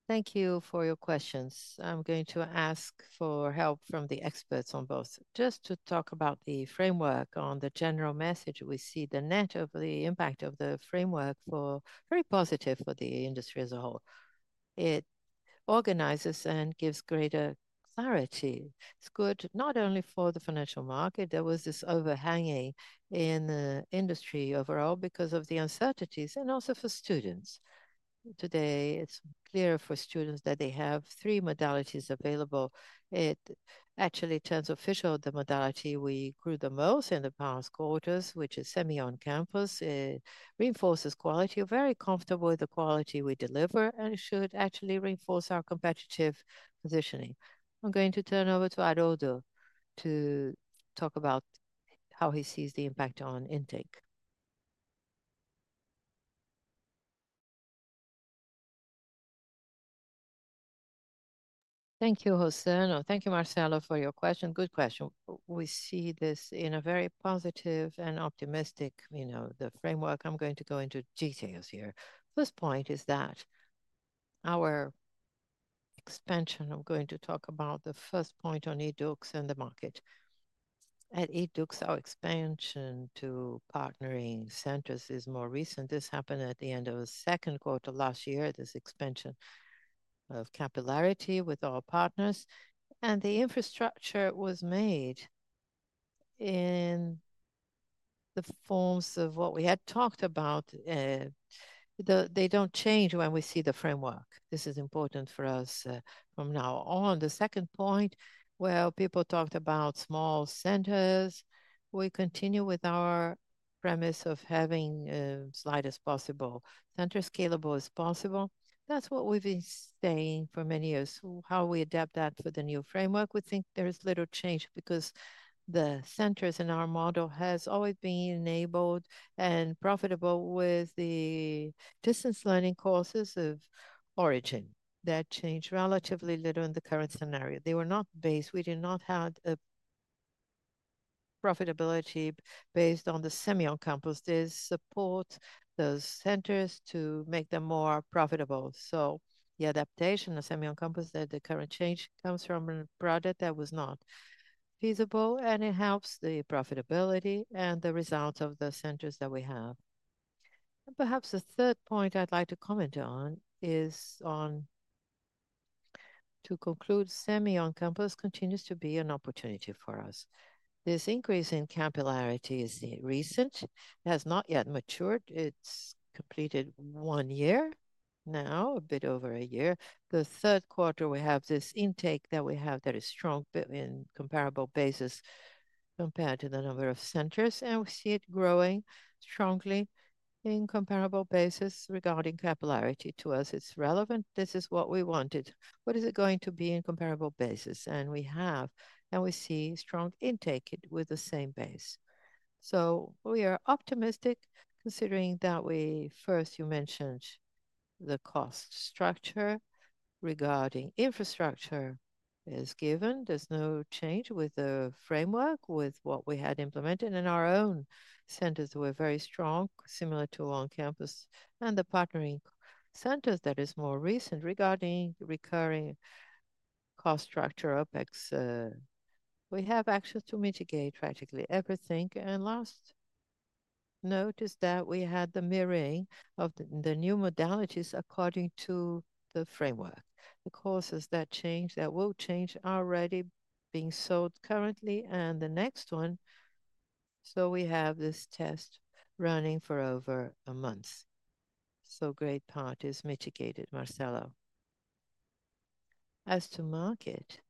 Thank you for your questions. I'm going to ask for help from the experts on both. Just to talk about the framework on the general message, we see the net of the impact of the framework as very positive for the industry as a whole. It organizes and gives greater clarity. It's good not only for the financial market. There was this overhanging in the industry overall because of the uncertainties and also for students. Today, it's clear for students that they have three modalities available. It actually turns official the modality we grew the most in the past quarters, which is semi-on-campus. It reinforces quality. We're very comfortable with the quality we deliver and should actually reinforce our competitive positioning. I'm going to turn over to [Aroldo] to talk about how he sees the impact on intake. Thank you, Rossano. Thank you, Marcel, for your question. Good question. We see this in a very positive and optimistic, you know, the framework. I'm going to go into details here. First point is that our expansion. I'm going to talk about the first point on Yduqs and the market. At Yduqs, our expansion to partnering centers is more recent. This happened at the end of the second quarter last year, this expansion of capillarity with all partners. The infrastructure was made in the forms of what we had talked about. They don't change when we see the framework. This is important for us from now on. The second point, people talked about small centers. We continue with our premise of having as wide as possible centers, scalable as possible. That's what we've been saying for many years. How we adapt that for the new framework, we think there is little change because the centers in our model have always been enabled and profitable with the distance learning courses of origin. That changed relatively little in the current scenario. They were not based. We did not have profitability based on the semi-on-campus. This supports those centers to make them more profitable. The adaptation of semi-on-campus that the current change comes from a project that was not feasible, and it helps the profitability and the results of the centers that we have. Perhaps the third point I'd like to comment on is to conclude, semi-on-campus continues to be an opportunity for us. This increase in capillarity is recent. It has not yet matured. It's completed one year now, a bit over a year. The third quarter, we have this intake that we have that is strong in comparable basis compared to the number of centers, and we see it growing strongly in comparable basis regarding capillarity. To us, it's relevant. This is what we wanted. What is it going to be in comparable basis? We have, and we see strong intake with the same base. We are optimistic considering that we first, you mentioned the cost structure regarding infrastructure is given. There's no change with the framework, with what we had implemented in our own centers that were very strong, similar to on-campus, and the partnering centers that are more recent regarding recurring cost structure OpEx. We have access to mitigate practically everything. Last note is that we had the mirroring of the new modalities according to the framework. The courses that change, that will change, are already being sold currently and the next one. We have this test running for over a month. A great part is mitigated, Marcelo. As to market,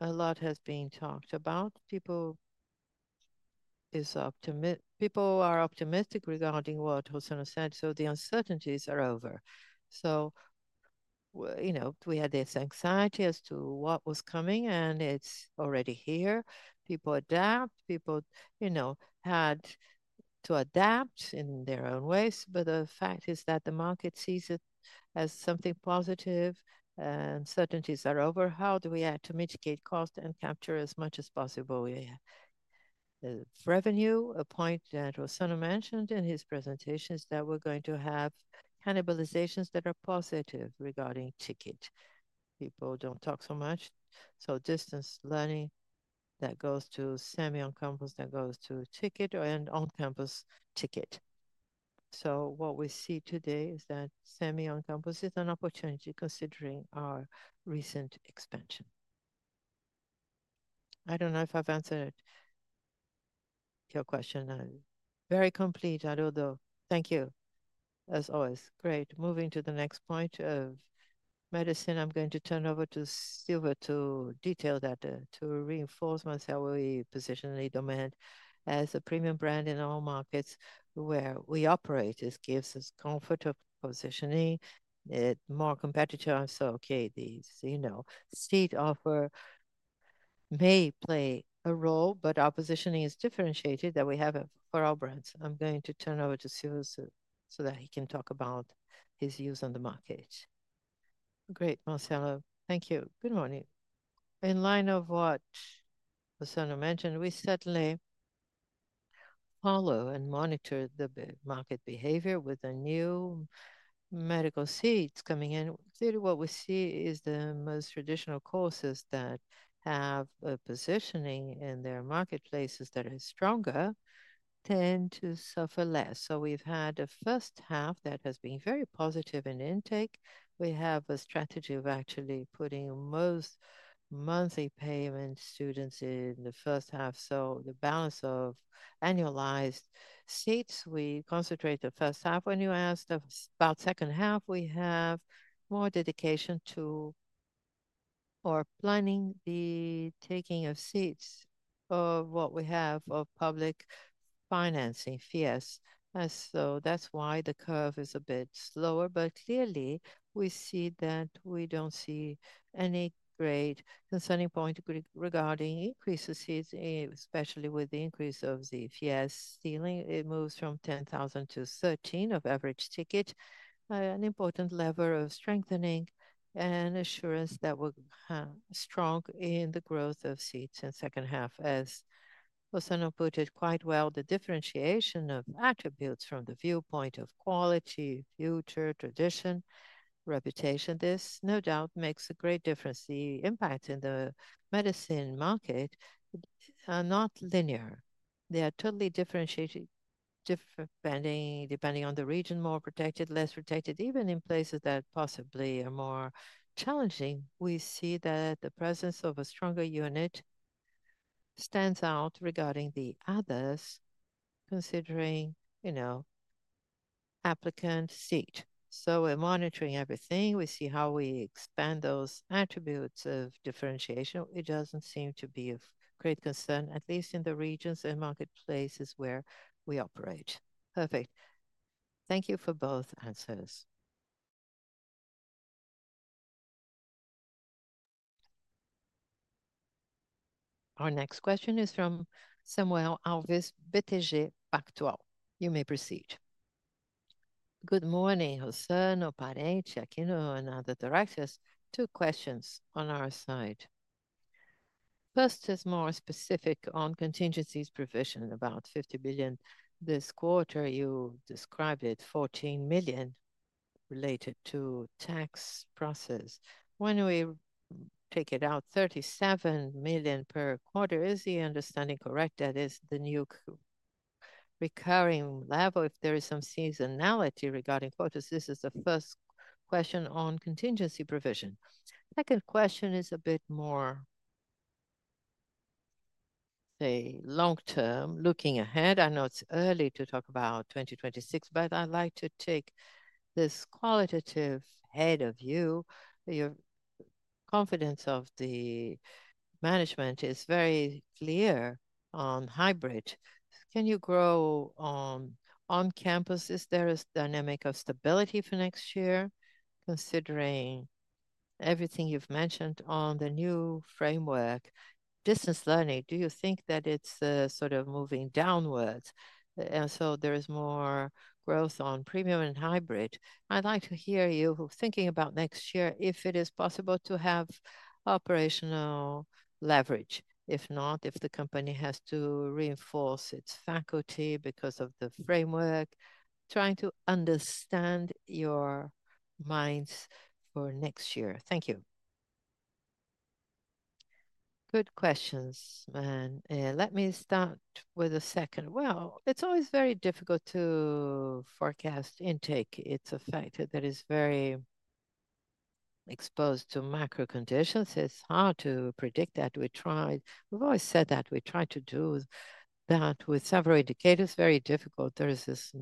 a lot has been talked about. People are optimistic regarding what Rossano said. The uncertainties are over. We had this anxiety as to what was coming, and it's already here. People adapt. People had to adapt in their own ways. The fact is that the market sees it as something positive, and uncertainties are over. How do we add to mitigate cost and capture as much as possible? Revenue, a point that Rossano mentioned in his presentation, is that we're going to have cannibalizations that are positive regarding ticket. People don't talk so much. Distance learning that goes to semi-on-campus that goes to ticket and on-campus ticket. What we see today is that semi-on-campus is an opportunity considering our recent expansion. I don't know if I've answered your question. Very complete, [Aroldo]. Thank you. As always, great. Moving to the next point of medicine, I'm going to turn over to Silvio to detail that to reinforce once that we position Idomed as a premium brand in all markets where we operate. This gives us comfort of positioning. It's more competitive. These, you know, seed offer may play a role, but our positioning is differentiated that we have for our brands. I'm going to turn over to Silvio so that he can talk about his views on the market. Great, Marcelo. Thank you. Good morning. In line with what Rossano mentioned, we suddenly follow and monitor the market behavior with the new medical seats coming in. Really, what we see is the most traditional courses that have a positioning in their marketplaces that are stronger tend to suffer less. We have had a first half that has been very positive in intake. We have a strategy of actually putting most monthly payment students in the first half. The balance of annualized seats, we concentrate in the first half. When you asked about the second half, we have more dedication to or planning the taking of seats of what we have of public financing FIES. That is why the curve is a bit slower. Clearly, we see that we do not see any great concerning point regarding increases in seats, especially with the increase of the FIES ceiling. It moves from 10,000-13,000 of average ticket, an important lever of strengthening and assurance that we are strong in the growth of seats in the second half. As Rossano put it quite well, the differentiation of attributes from the viewpoint of quality, future, tradition, reputation, this no doubt makes a great difference. The impacts in the medicine market are not linear. They are totally differentiated depending on the region, more protected, less protected, even in places that possibly are more challenging. We see that the presence of a stronger unit stands out regarding the others considering, you know, applicant seat. We are monitoring everything. We see how we expand those attributes of differentiation. It does not seem to be of great concern, at least in the regions and marketplaces where we operate. Perfect. Thank you for both answers. Our next question is from Samuel Alves, BTG Pactual. You may proceed. Good morning, Rossano, Parente, Aquino, and other directors. Two questions on our side. First is more specific on contingencies provision, about 50 million. This quarter, you described it, 14 million related to tax process. When we take it out, 37 million per quarter. Is the understanding correct that is the new recurring level? If there is some seasonality regarding quarters, this is the first question on contingency provision. The second question is a bit more long-term, looking ahead. I know it is early to talk about 2026, but I would like to take this qualitative head of view. Your confidence of the management is very clear on hybrid. Can you grow on on-campus? Is there a dynamic of stability for next year? Considering everything you've mentioned on the new framework, distance learning, do you think that it's sort of moving downwards? There is more growth on premium and hybrid. I'd like to hear you thinking about next year, if it is possible to have operational leverage. If not, if the company has to reinforce its faculty because of the framework, trying to understand your minds for next year. Thank you. Good questions. Let me start with a second. It's always very difficult to forecast intake. It's a factor that is very exposed to macro conditions. It's hard to predict that. We tried. We've always said that. We tried to do that with several indicators. Very difficult. There is this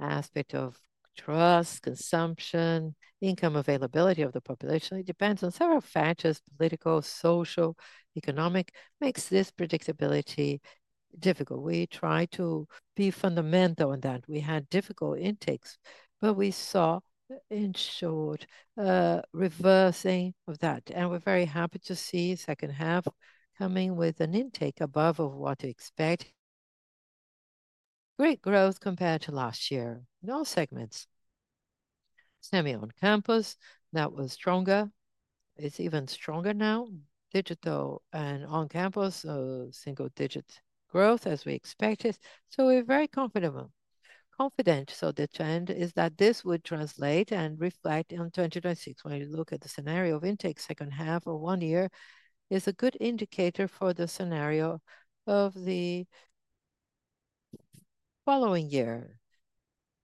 aspect of trust, consumption, income availability of the population. It depends on several factors: political, social, economic. Makes this predictability difficult. We try to be fundamental in that. We had difficult intakes, but we saw, in short, a reversing of that. We're very happy to see second half coming with an intake above of what to expect. Great growth compared to last year. In all segments, semi-on-campus, that was stronger. It's even stronger now. Digital and on-campus, a single-digit growth as we expected. We're very confident. The trend is that this would translate and reflect in 2026. When you look at the scenario of intake, second half of one year is a good indicator for the scenario of the following year.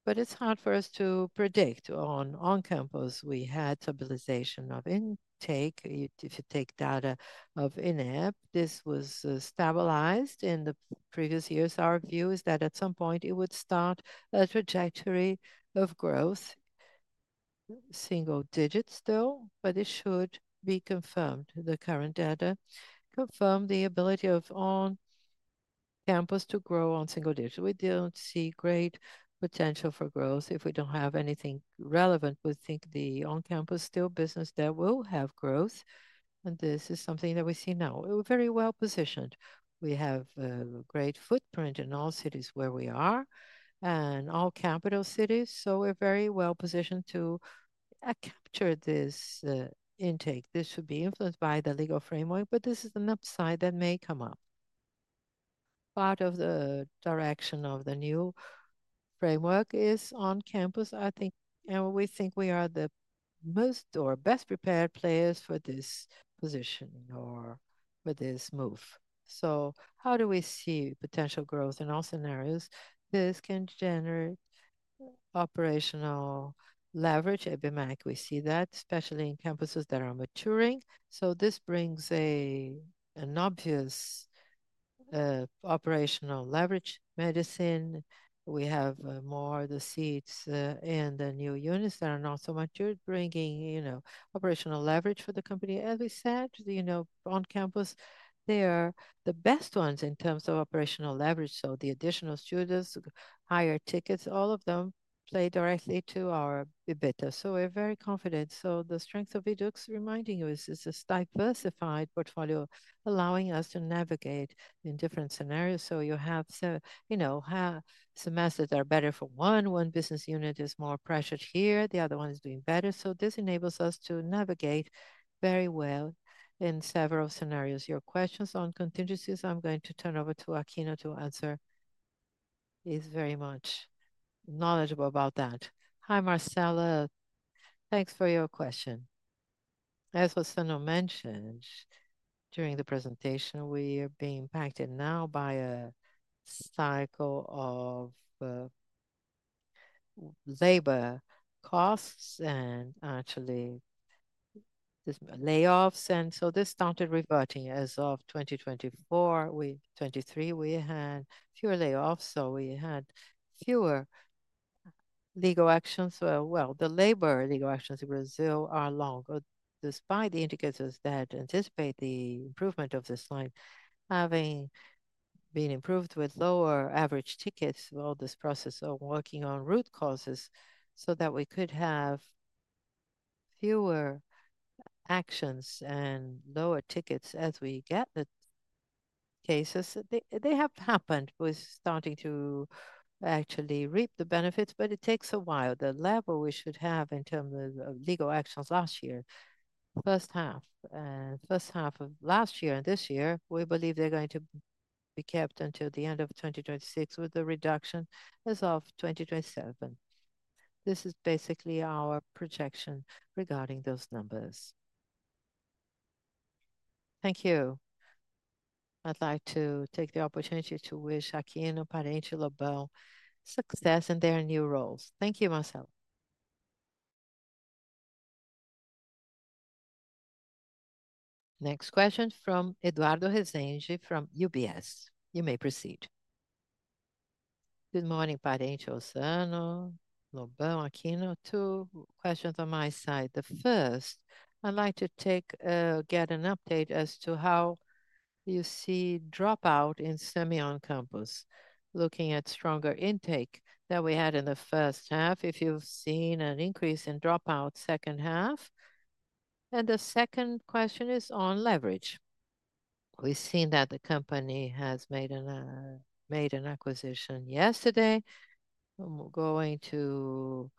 It's hard for us to predict. On on-campus, we had stabilization of intake. If you take data of INEP, this was stabilized in the previous years. Our view is that at some point it would start a trajectory of growth, single digit still, but it should be confirmed. The current data confirm the ability of on-campus to grow on single digits. We don't see great potential for growth if we don't have anything relevant. We think the on-campus still business there will have growth. This is something that we see now. We're very well positioned. We have a great footprint in all cities where we are and all capital cities. We're very well positioned to capture this intake. This should be influenced by the legal framework, but this is an upside that may come up. Part of the direction of the new framework is on campus. I think, and we think we are the most or best prepared players for this position or for this move. How do we see potential growth in all scenarios? This can generate operational leverage. ABMAC, we see that, especially in campuses that are maturing. This brings an obvious operational leverage. Medicine, we have more of the seats in the new units that are not so mature, bringing operational leverage for the company. As we said, on campus, they are the best ones in terms of operational leverage. The additional students, higher tickets, all of them play directly to our EBITDA. We're very confident. The strength of Yduqs, reminding you, is this diversified portfolio allowing us to navigate in different scenarios. You have semesters that are better for one. One business unit is more pressured here. The other one is being better. This enables us to navigate very well in several scenarios. Your questions on contingencies, I'm going to turn over to Aquino to answer. He's very much knowledgeable about that. Hi, Marcelo. Thanks for your question. As Rossano mentioned during the presentation, we are being impacted now by a cycle of labor costs and actually layoffs. This started reverting as of 2024. We had fewer layoffs, so we had fewer legal actions. The labor legal actions in Brazil are longer, despite the indicators that anticipate the improvement of this line, having been improved with lower average tickets through all this process of working on root causes so that we could have fewer actions and lower tickets as we get the cases. They have happened. We're starting to actually reap the benefits, but it takes a while. The level we should have in terms of legal actions last year, the first half, and the first half of last year and this year, we believe they're going to be kept until the end of 2026 with the reduction as of 2027. This is basically our projection regarding those numbers. Thank you. I'd like to take the opportunity to wish Aquino, Parente, Lobão success in their new roles. Thank you, Marcelo. Next question from Eduardo Rezengi from UBS. You may proceed. Good morning, Parente, Rossano, Lobão, Aquino. Two questions on my side. The first, I'd like to get an update as to how you see dropout in semi-on-campus, looking at stronger intake that we had in the first half. If you've seen an increase in dropout second half. The second question is on leverage. We've seen that the company has made an acquisition yesterday. We're going to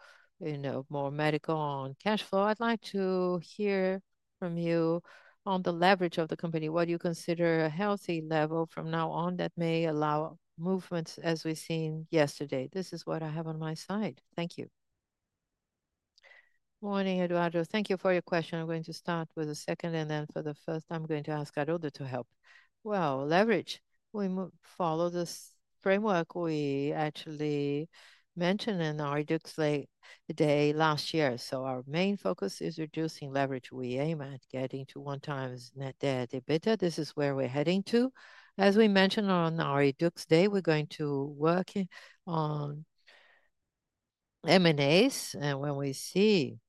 more medical on cash flow. I'd like to hear from you on the leverage of the company. What do you consider a healthy level from now on that may allow movements as we've seen yesterday? This is what I have on my side. Thank you. Morning, Eduardo. Thank you for your question. I'm going to start with the second, and for the first, I'm going to ask [Aroldo] to help. Leverage, we follow this framework we actually mentioned in our Yduqs Day last year. Our main focus is reducing leverage. We aim at getting to one-time net debt/EBITDA. This is where we're heading to. As we mentioned on our Yduqs Day, we're going to work on M&A. When we see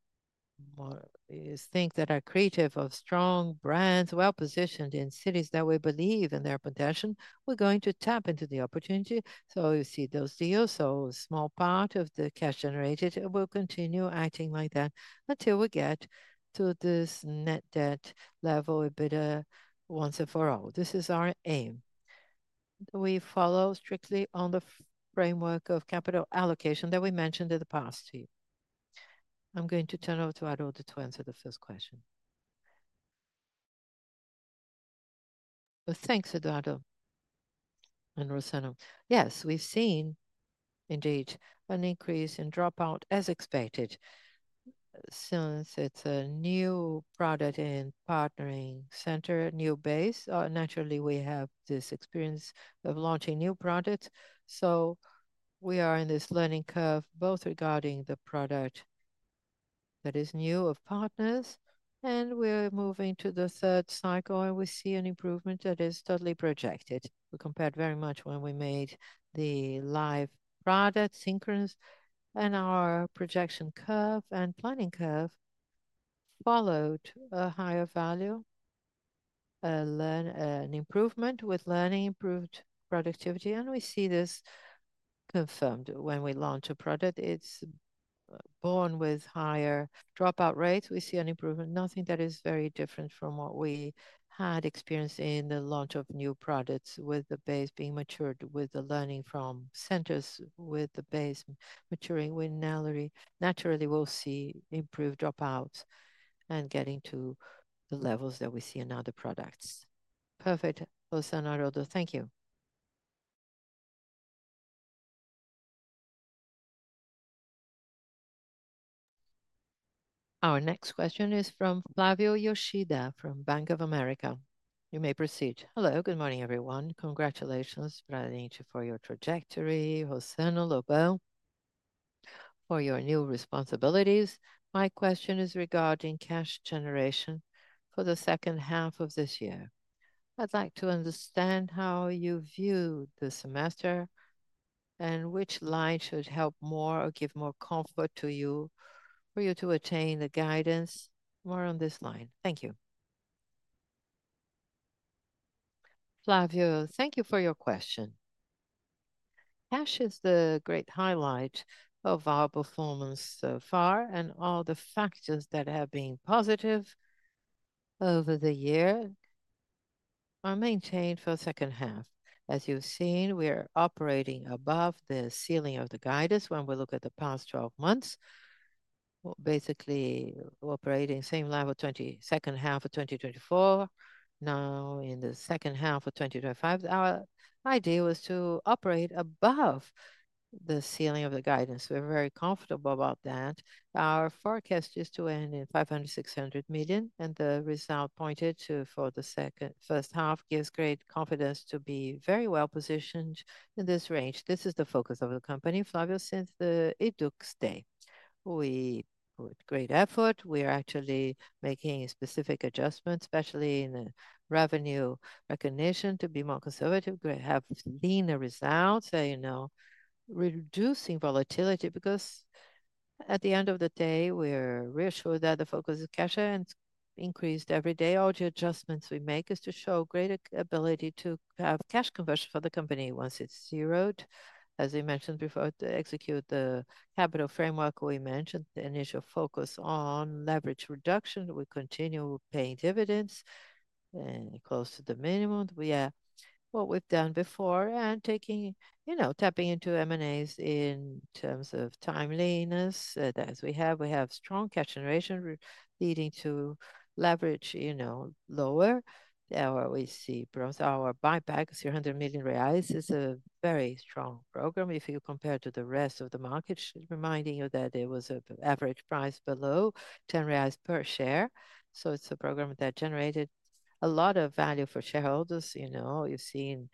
things that are accretive of strong brands, well-positioned in cities that we believe in their potential, we're going to tap into the opportunity. You see those deals. A small part of the cash generated will continue acting like that until we get to this net debt/EBITDA level once and for all. This is our aim. We follow strictly on the framework of capital allocation that we mentioned in the past year. I'm going to turn over to [Aroldo] to answer the first question. Thanks, Eduardo and Rossano. Yes, we've seen indeed an increase in dropout as expected since it's a new product in partnering center, new base. Naturally, we have this experience of launching new products. We are in this learning curve both regarding the product that is new of partners, and we're moving to the third cycle, and we see an improvement that is totally projected. We compared very much when we made the live product synchronous and our projection curve and planning curve followed a higher value, an improvement with learning, improved productivity, and we see this confirmed when we launch a product. It's born with higher dropout rates. We see an improvement, nothing that is very different from what we had experienced in the launch of new products with the base being matured, with the learning from centers, with the base maturing. We naturally will see improved dropouts and getting to the levels that we see in other products. Perfect. Rossano and, [Aroldo], thank you. Our next question is from Flavio Yoshida from Bank of America. You may proceed. Hello. Good morning, everyone. Congratulations, Parente, for your trajectory, Rossano, Lobão, for your new responsibilities. My question is regarding cash generation for the second half of this year. I'd like to understand how you view the semester and which line should help more or give more comfort to you for you to attain the guidance more on this line. Thank you. Flavio, thank you for your question. Cash is the great highlight of our performance so far, and all the factors that have been positive over the year are maintained for the second half. As you've seen, we are operating above the ceiling of the guidance when we look at the past 12 months. We're basically operating at the same level of the second half of 2024. Now, in the second half of 2025, our idea was to operate above the ceiling of the guidance. We're very comfortable about that. Our forecast is to end in 500 million, 600 million, and the result pointed to for the first half gives great confidence to be very well positioned in this range. This is the focus of the company, Flavio, since the Yduqs Day. With great effort, we are actually making specific adjustments, especially in the revenue recognition to be more conservative, have leaner results, reducing volatility because at the end of the day, we're reassured that the focus is cash and increased every day. All the adjustments we make is to show greater ability to have cash conversion for the company once it's zeroed. As I mentioned before, to execute the capital framework we mentioned, the initial focus on leverage reduction. We continue paying dividends close to the minimum. We have what we've done before and tapping into M&A in terms of timeliness that we have. We have strong cash generation leading to leverage lower. Now we see our buyback, 300 million reais is a very strong program if you compare to the rest of the market, reminding you that it was an average price below 10 reais per share. It's a program that generated a lot of value for shareholders. You've seen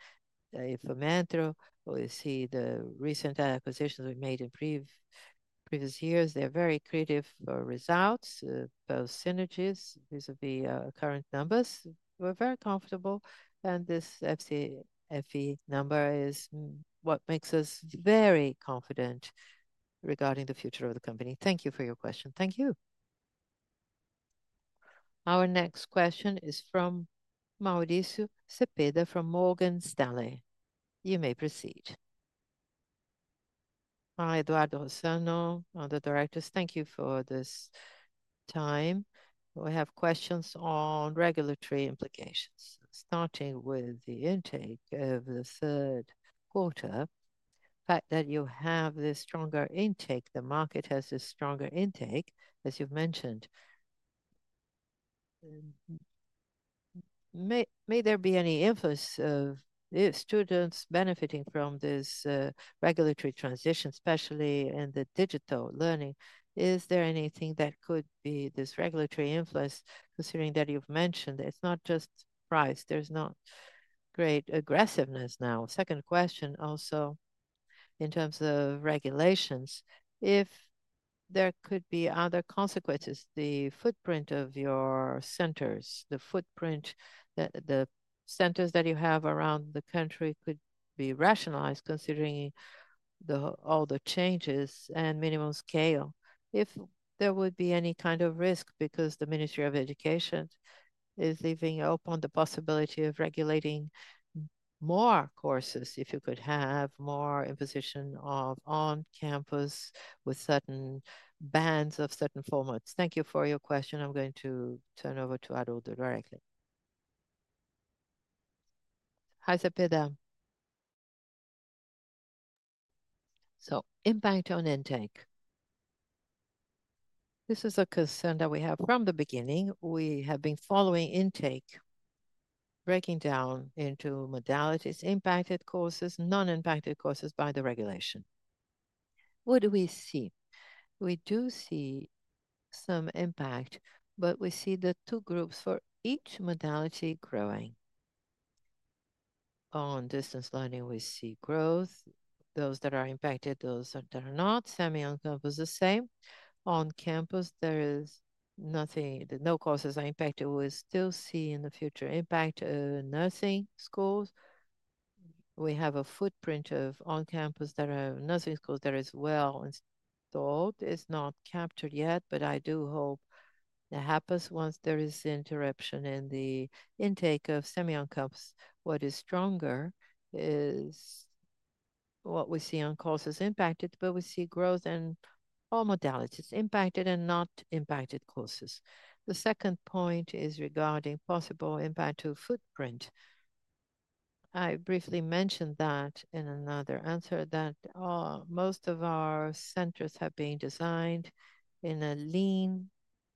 the Fomento, or you see the recent acquisitions we made in previous years. They're very creative results, both synergies. These are the current numbers. We're very comfortable, and this FCFE number is what makes us very confident regarding the future of the company. Thank you for your question. Thank you. Our next question is from Mauricio Sepeda from Morgan Stanley. You may proceed. Hi, Eduardo, Rossanoon, other directors. Thank you for this time. We have questions on regulatory implications, starting with the intake of the third quarter. The fact that you have this stronger intake, the market has a stronger intake, as you've mentioned. May there be any influence of students benefiting from this regulatory transition, especially in the distance learning? Is there anything that could be this regulatory influence, considering that you've mentioned it's not just price? There's not great aggressiveness now. Second question also in terms of regulations, if there could be other consequences, the footprint of your centers, the footprint that the centers that you have around the country could be rationalized considering all the changes and minimum scale. If there would be any kind of risk because the Ministry of Education is leaving open the possibility of regulating more courses, if you could have more imposition of on-campus with certain bands of certain formats. Thank you for your question. I'm going to turn over to [Aroldo] directly. Hi, Sepeda. Impact on intake is a concern that we have from the beginning. We have been following intake, breaking down into modalities, impacted courses, and non-impacted courses by the regulation. What do we see? We do see some impact, but we see the two groups for each modality growing. On distance learning, we see growth. Those that are impacted, those that are not, semi-on-campus the same. On-campus, there is nothing. No courses are impacted. We still see in the future impact of nursing schools. We have a footprint of on-campus that are nursing schools that are well installed. It's not captured yet, but I do hope that happens once there is interruption in the intake of semi-on-campus. What is stronger is what we see on courses impacted, but we see growth in all modalities, impacted and not impacted courses. The second point is regarding possible impact to footprint. I briefly mentioned in another answer that most of our centers have been designed in a lean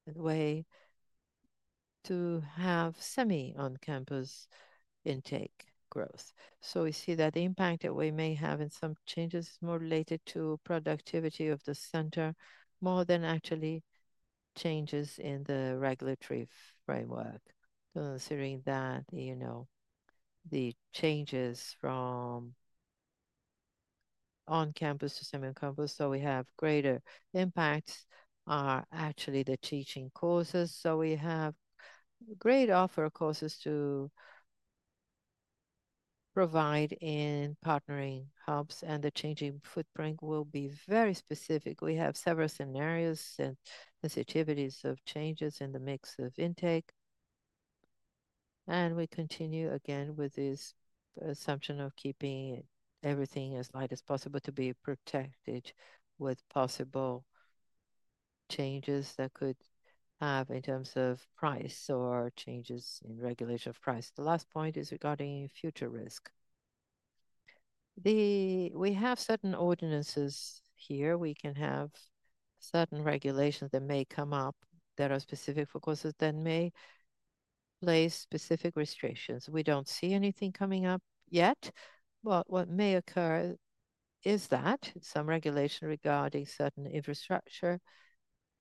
way to have semi-on-campus intake growth. We see that the impact that we may have in some changes is more related to productivity of the center more than actual changes in the regulatory framework. Considering the changes from on-campus to semi-on-campus, we have greater impacts that are actually the teaching courses. We have a great offer of courses to provide in partnering hubs, and the changing footprint will be very specific. We have several scenarios and sensitivities of changes in the mix of intake. We continue again with this assumption of keeping everything as light as possible to be protected with possible changes that could happen in terms of price or changes in regulation of price. The last point is regarding future risk. We have certain ordinances here. We can have certain regulations that may come up that are specific for courses that may place specific restrictions. We don't see anything coming up yet, but what may occur is that some regulation regarding certain infrastructure,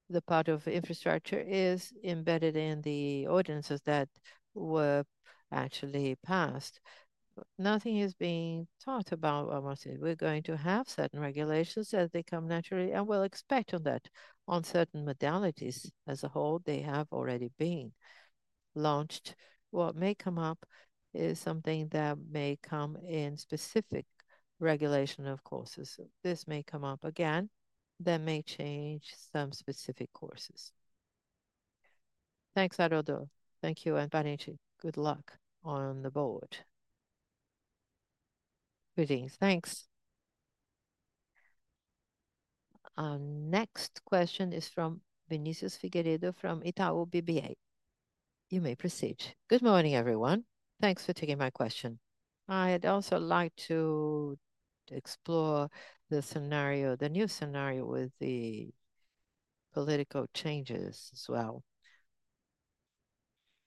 the part of infrastructure is embedded in the ordinances that were actually passed. Nothing is being talked about. We're going to have certain regulations that come naturally and we'll expect that on certain modalities as a whole. They have already been launched. What may come up is something that may come in specific regulation of courses. This may come up again. That may change some specific courses. Thanks, [Aroldo]. Thank you, and good luck on the board. Thanks. Our next question is from Vinícius Figueiredo from Itaú BBA. You may proceed. Good morning, everyone. Thanks for taking my question. I'd also like to explore the scenario, the new scenario with the political changes as well.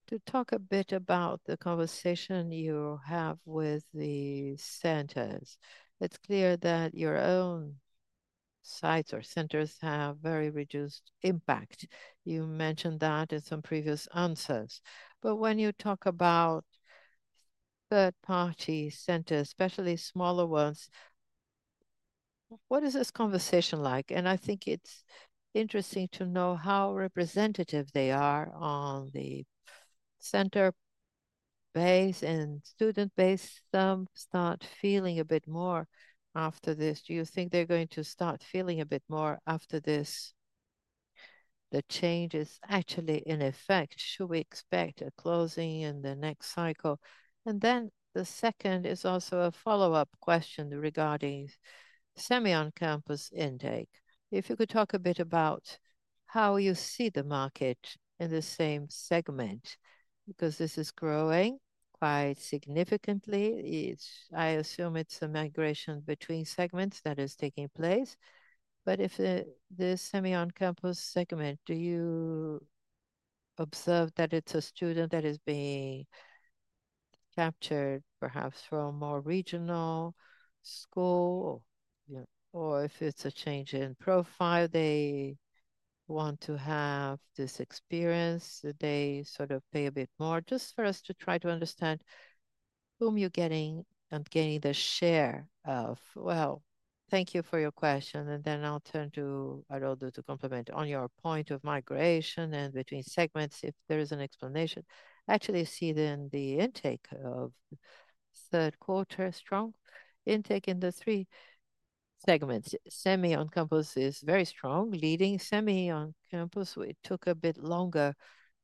To talk a bit about the conversation you have with the centers. It's clear that your own sites or centers have very reduced impact. You mentioned that in some previous answers. When you talk about third-party centers, especially smaller ones, what is this conversation like? I think it's interesting to know how representative they are on the center base and student base. Some start feeling a bit more after this. Do you think they're going to start feeling a bit more after this? The change is actually in effect. Should we expect a closing in the next cycle? The second is also a follow-up question regarding semi-on-campus intake. If you could talk a bit about how you see the market in the same segment because this is growing quite significantly. I assume it's a migration between segments that is taking place. If the semi-on-campus segment, do you observe that it's a student that is being captured perhaps from a more regional school? Or if it's a change in profile, they want to have this experience, that they sort of pay a bit more? Just for us to try to understand whom you're getting and getting the share of. Thank you for your question. I'll turn to [Aroldo] to complement on your point of migration and between segments, if there is an explanation. I see then the intake of third quarter strong intake in the three segments. Semi-on-campus is very strong, leading semi-on-campus. It took a bit longer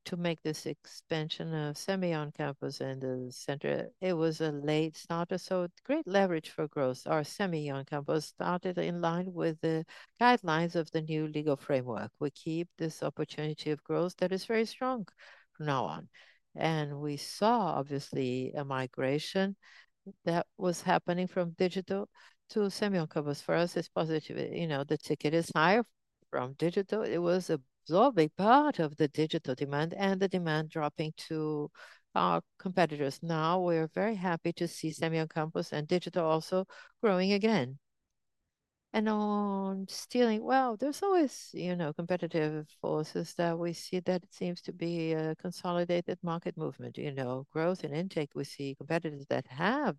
to make this expansion of semi-on-campus and the center. It was a late starter, so great leverage for growth. Our semi-on-campus started in line with the guidelines of the new legal framework. We keep this opportunity of growth that is very strong now on. We saw, obviously, a migration that was happening from digital to semi-on-campus. For us, it's positive. You know, the ticket is higher from digital. It was a big part of the digital demand and the demand dropping to our competitors. Now we're very happy to see semi-on-campus and digital also growing again. On stealing, there are always, you know, competitive forces that we see that it seems to be a consolidated market movement. Growth and intake, we see competitors that have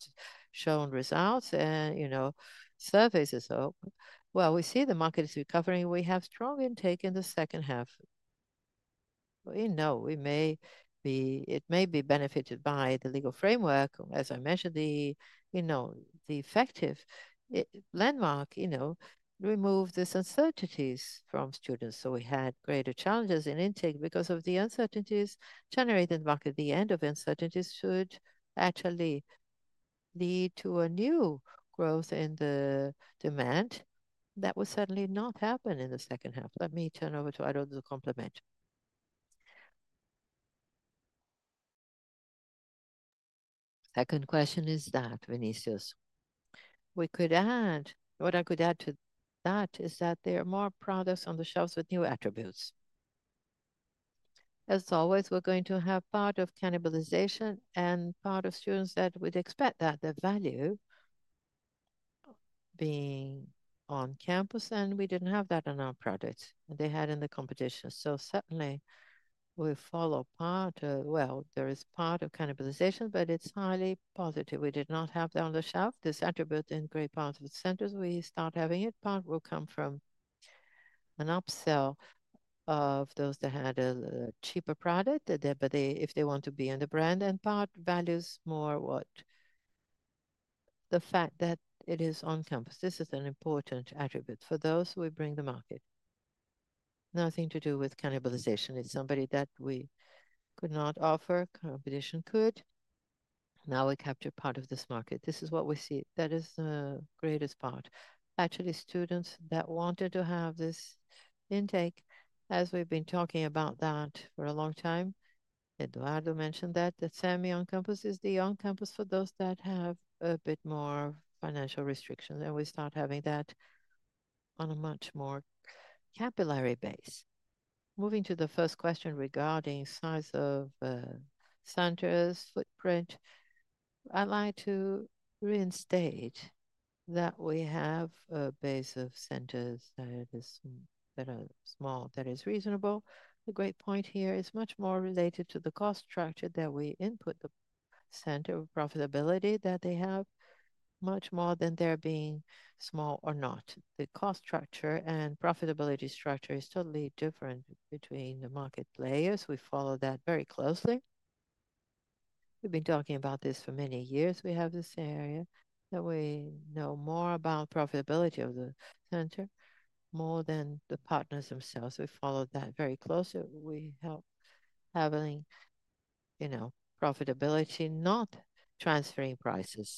shown results and, you know, surfaces open. We see the market is recovering. We have strong intake in the second half. We know it may be benefited by the legal framework. As I mentioned, the effective landmark removed the uncertainties from students. We had greater challenges in intake because of the uncertainties generated in the market. The end of uncertainties should actually lead to a new growth in the demand. That was certainly not happened in the second half. Let me turn over to Arul to do the compliment. Second question is that, Vinícius. What I could add to that is that there are more products on the shelves with new attributes. As always, we're going to have part of cannibalization and part of students that would expect that the value being on campus, and we didn't have that in our products. They had in the competition. Certainly, we follow part of, well, there is part of cannibalization, but it's highly positive. We did not have that on the shelf. This attribute in great parts of the centers, we start having it. Part will come from an upsell of those that had a cheaper product, but if they want to be in the brand and part values more what the fact that it is on campus. This is an important attribute for those who bring the market. Nothing to do with cannibalization. It's somebody that we could not offer. Competition could. Now we capture part of this market. This is what we see. That is the greatest part. Actually, students that wanted to have this intake, as we've been talking about that for a long time, Eduardo mentioned that the semi-on-campus is the on-campus for those that have a bit more financial restrictions, and we start having that on a much more capillary base. Moving to the first question regarding size of centers, footprint, I'd like to reinstate that we have a base of centers that are small, that is reasonable. A great point here is much more related to the cost structure that we input the center of profitability that they have, much more than there being small or not. The cost structure and profitability structure is totally different between the market players. We follow that very closely. We've been talking about this for many years. We have this area that we know more about profitability of the center more than the partners themselves. We follow that very closely. We help having, you know, profitability, not transferring prices.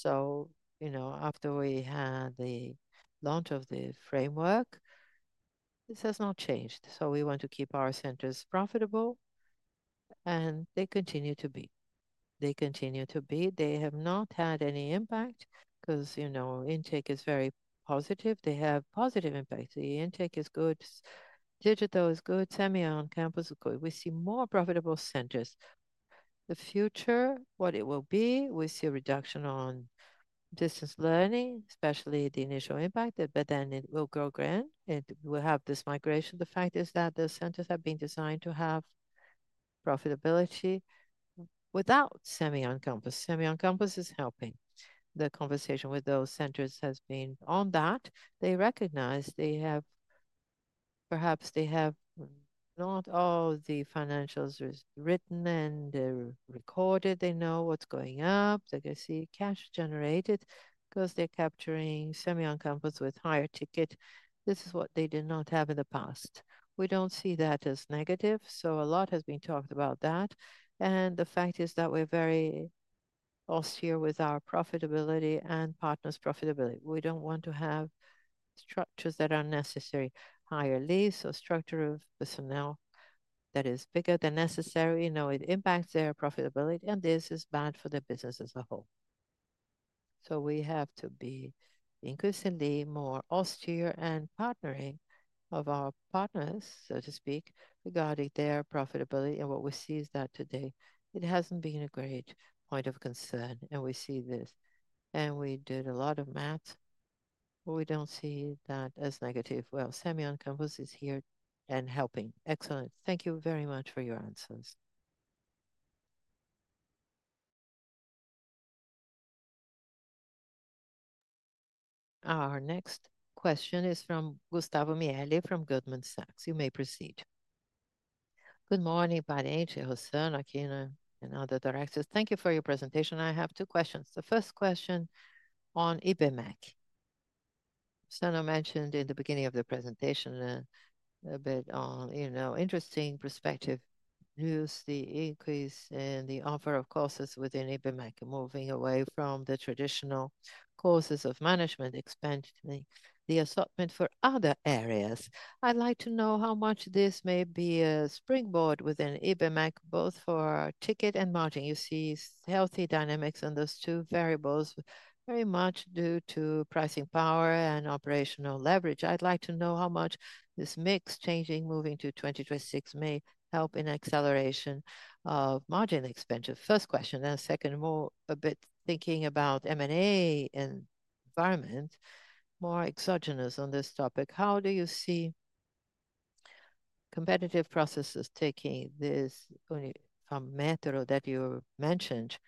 After we had the launch of the framework, this has not changed. We want to keep our centers profitable, and they continue to be. They continue to be. They have not had any impact because, you know, intake is very positive. They have positive impact. The intake is good. Digital is good. Semi-on-campus is good. We see more profitable centers. The future, what it will be, we see a reduction on distance learning, especially the initial impact, but then it will grow grand. We'll have this migration. The fact is that the centers have been designed to have profitability without semi-on-campus. Semi-on-campus is helping. The conversation with those centers has been on that. They recognize they have, perhaps they have not all the financials written and recorded. They know what's going up. They can see cash generated because they're capturing semi-on-campus with higher ticket. This is what they did not have in the past. We don't see that as negative. A lot has been talked about that. The fact is that we're very austere with our profitability and partners' profitability. We don't want to have structures that are unnecessary, higher lease, or structure of personnel that is bigger than necessary. No, it impacts their profitability, and this is bad for the business as a whole. We have to be increasingly more austere and partnering of our partners, so to speak, regarding their profitability. What we see is that today, it hasn't been a great point of concern, and we see this. We did a lot of math. We don't see that as negative. Semi-on-campus is here and helping. Excellent. Thank you very much for your answers. Our next question is from Gustavo Miele from Goldman Sachs. You may proceed. Good morning, Parente, Rossano, Aquino, and other directors. Thank you for your presentation. I have two questions. The first question on Ibmec. Rossano mentioned in the beginning of the presentation a bit on, you know, interesting perspective, news, the increase in the offer of courses within Ibmec, moving away from the traditional courses of management, expanding the assortment for other areas. I'd like to know how much this may be a springboard within Ibmec, both for ticket and margin. You see healthy dynamics in those two variables, very much due to pricing power and operational leverage. I'd like to know how much this mix changing, moving to 2026, may help in acceleration of margin expansion. First question. Second, more a bit thinking about M&A environment, more exogenous on this topic. How do you see competitive processes taking this on Unifametro that you mentioned?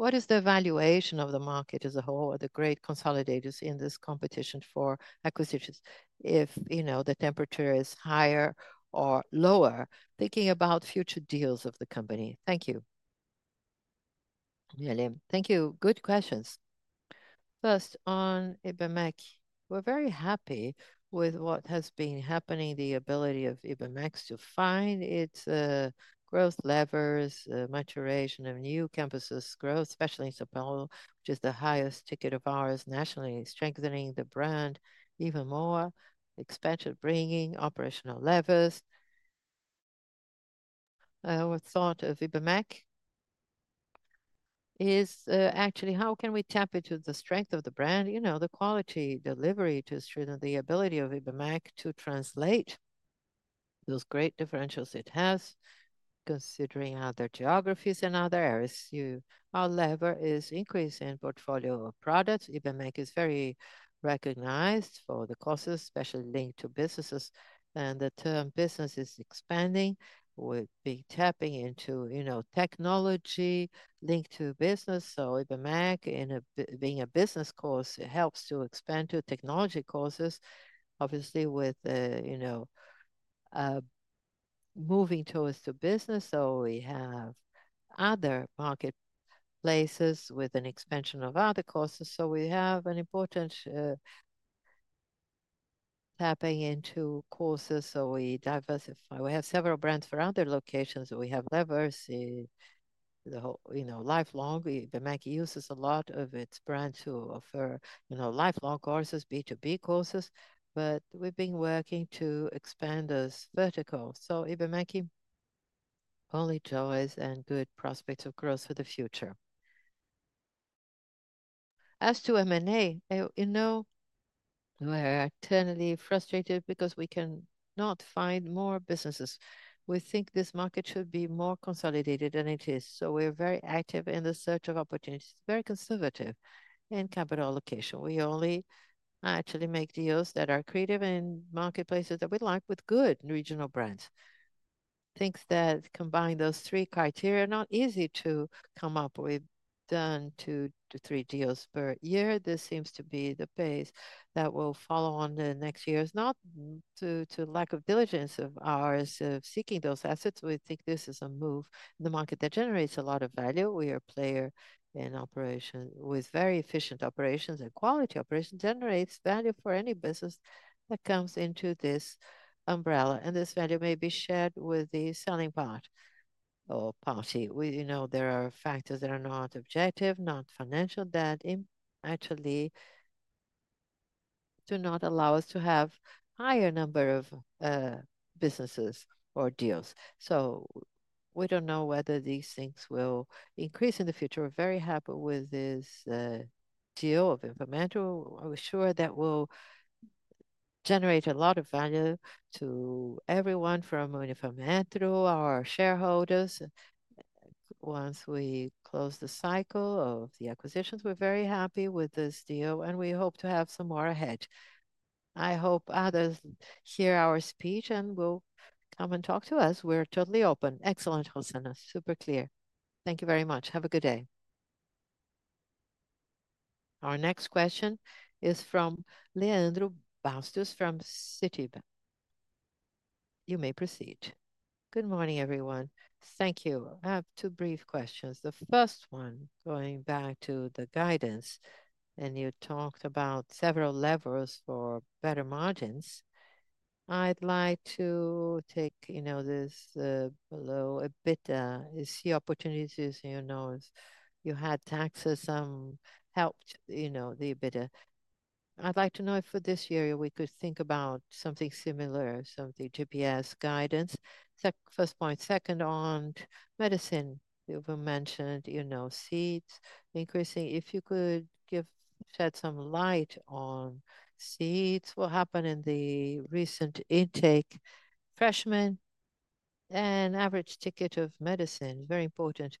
What is the evaluation of the market as a whole or the great consolidators in this competition for acquisitions? If the temperature is higher or lower, thinking about future deals of the company. Thank you. Thank you. Good questions. First, on ibmec, we're very happy with what has been happening, the ability of ibmec to find its growth levers, maturation of new campuses, growth, especially in Sapporo, which is the highest ticket of ours nationally, strengthening the brand even more, expansion, bringing operational levers. What we thought of ibmec is actually how can we tap into the strength of the brand, the quality delivery to the student and the ability of ibmec to translate those great differentials it has, considering other geographies and other areas. Our lever is increasing in portfolio of products. ibmec is very recognized for the courses, especially linked to businesses. The term business is expanding. We'll be tapping into technology linked to business. ibmec, in being a business course, helps to expand to technology courses, obviously, with moving towards business. We have other marketplaces with an expansion of other courses. We have an important tapping into courses. We diversify. We have several brands for other locations. We have levers, the whole lifelong. ibmec uses a lot of its brands to offer lifelong courses, B2B courses. We've been working to expand as vertical. ibmec only joys and good prospects of growth for the future. As to M&A, we're eternally frustrated because we cannot find more businesses. We think this market should be more consolidated than it is. We're very active in the search of opportunities. It's very conservative in capital allocation. We only actually make deals that are accretive in marketplaces that we like with good regional brands. Things that combine those three criteria are not easy to come up with. We've done two to three deals per year. This seems to be the pace that will follow in the next years, not due to lack of diligence of ours of seeking those assets. We think this is a move in the market that generates a lot of value. We are a player in operations with very efficient operations and quality operations that generate value for any business that comes into this umbrella. This value may be shared with the selling part or party. You know, there are factors that are not objective, not financial, that actually do not allow us to have a higher number of businesses or deals. We don't know whether these things will increase in the future. We're very happy with this deal of ibmec. We're sure that we'll generate a lot of value to everyone from ibmec to our shareholders. Once we close the cycle of the acquisitions, we're very happy with this deal, and we hope to have some more ahead. I hope others hear our speech and will come and talk to us. We're totally open. Excellent, Rossano. Super clear. Thank you very much. Have a good day. Our next question is from Leandro Bastos from Citi. You may proceed. Good morning, everyone. Thank you. I have two brief questions. The first one, going back to the guidance, and you talked about several levers for better margins. I'd like to take, you know, this below EBITDA. I see opportunities. You know, you had taxes, some helped, you know, the EBITDA. I'd like to know if for this year we could think about something similar, something GPS guidance. First point. Second, on medicine, you've mentioned, you know, seats increasing. If you could shed some light on seats, what happened in the recent intake? Freshmen and average ticket of medicine. Very important.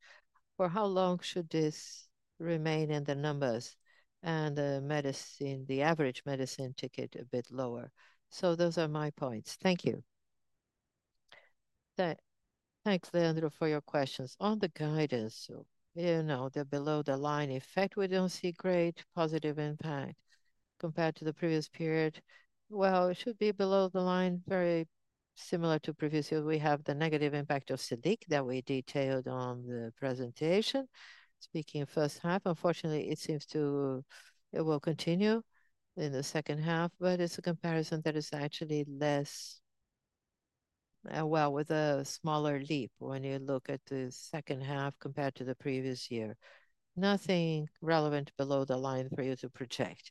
For how long should this remain in the numbers and the average medicine ticket a bit lower? Those are my points. Thank you. Thanks, Leandro, for your questions. On the guidance, you know, the below-the-line effect, we don't see great positive impact compared to the previous period. It should be below the line, very similar to previous years. We have the negative impact of Siddiq that we detailed on the presentation. Speaking of first half, unfortunately, it seems it will continue in the second half, but it's a comparison that is actually less, with a smaller leap when you look at the second half compared to the previous year. Nothing relevant below the line for you to project.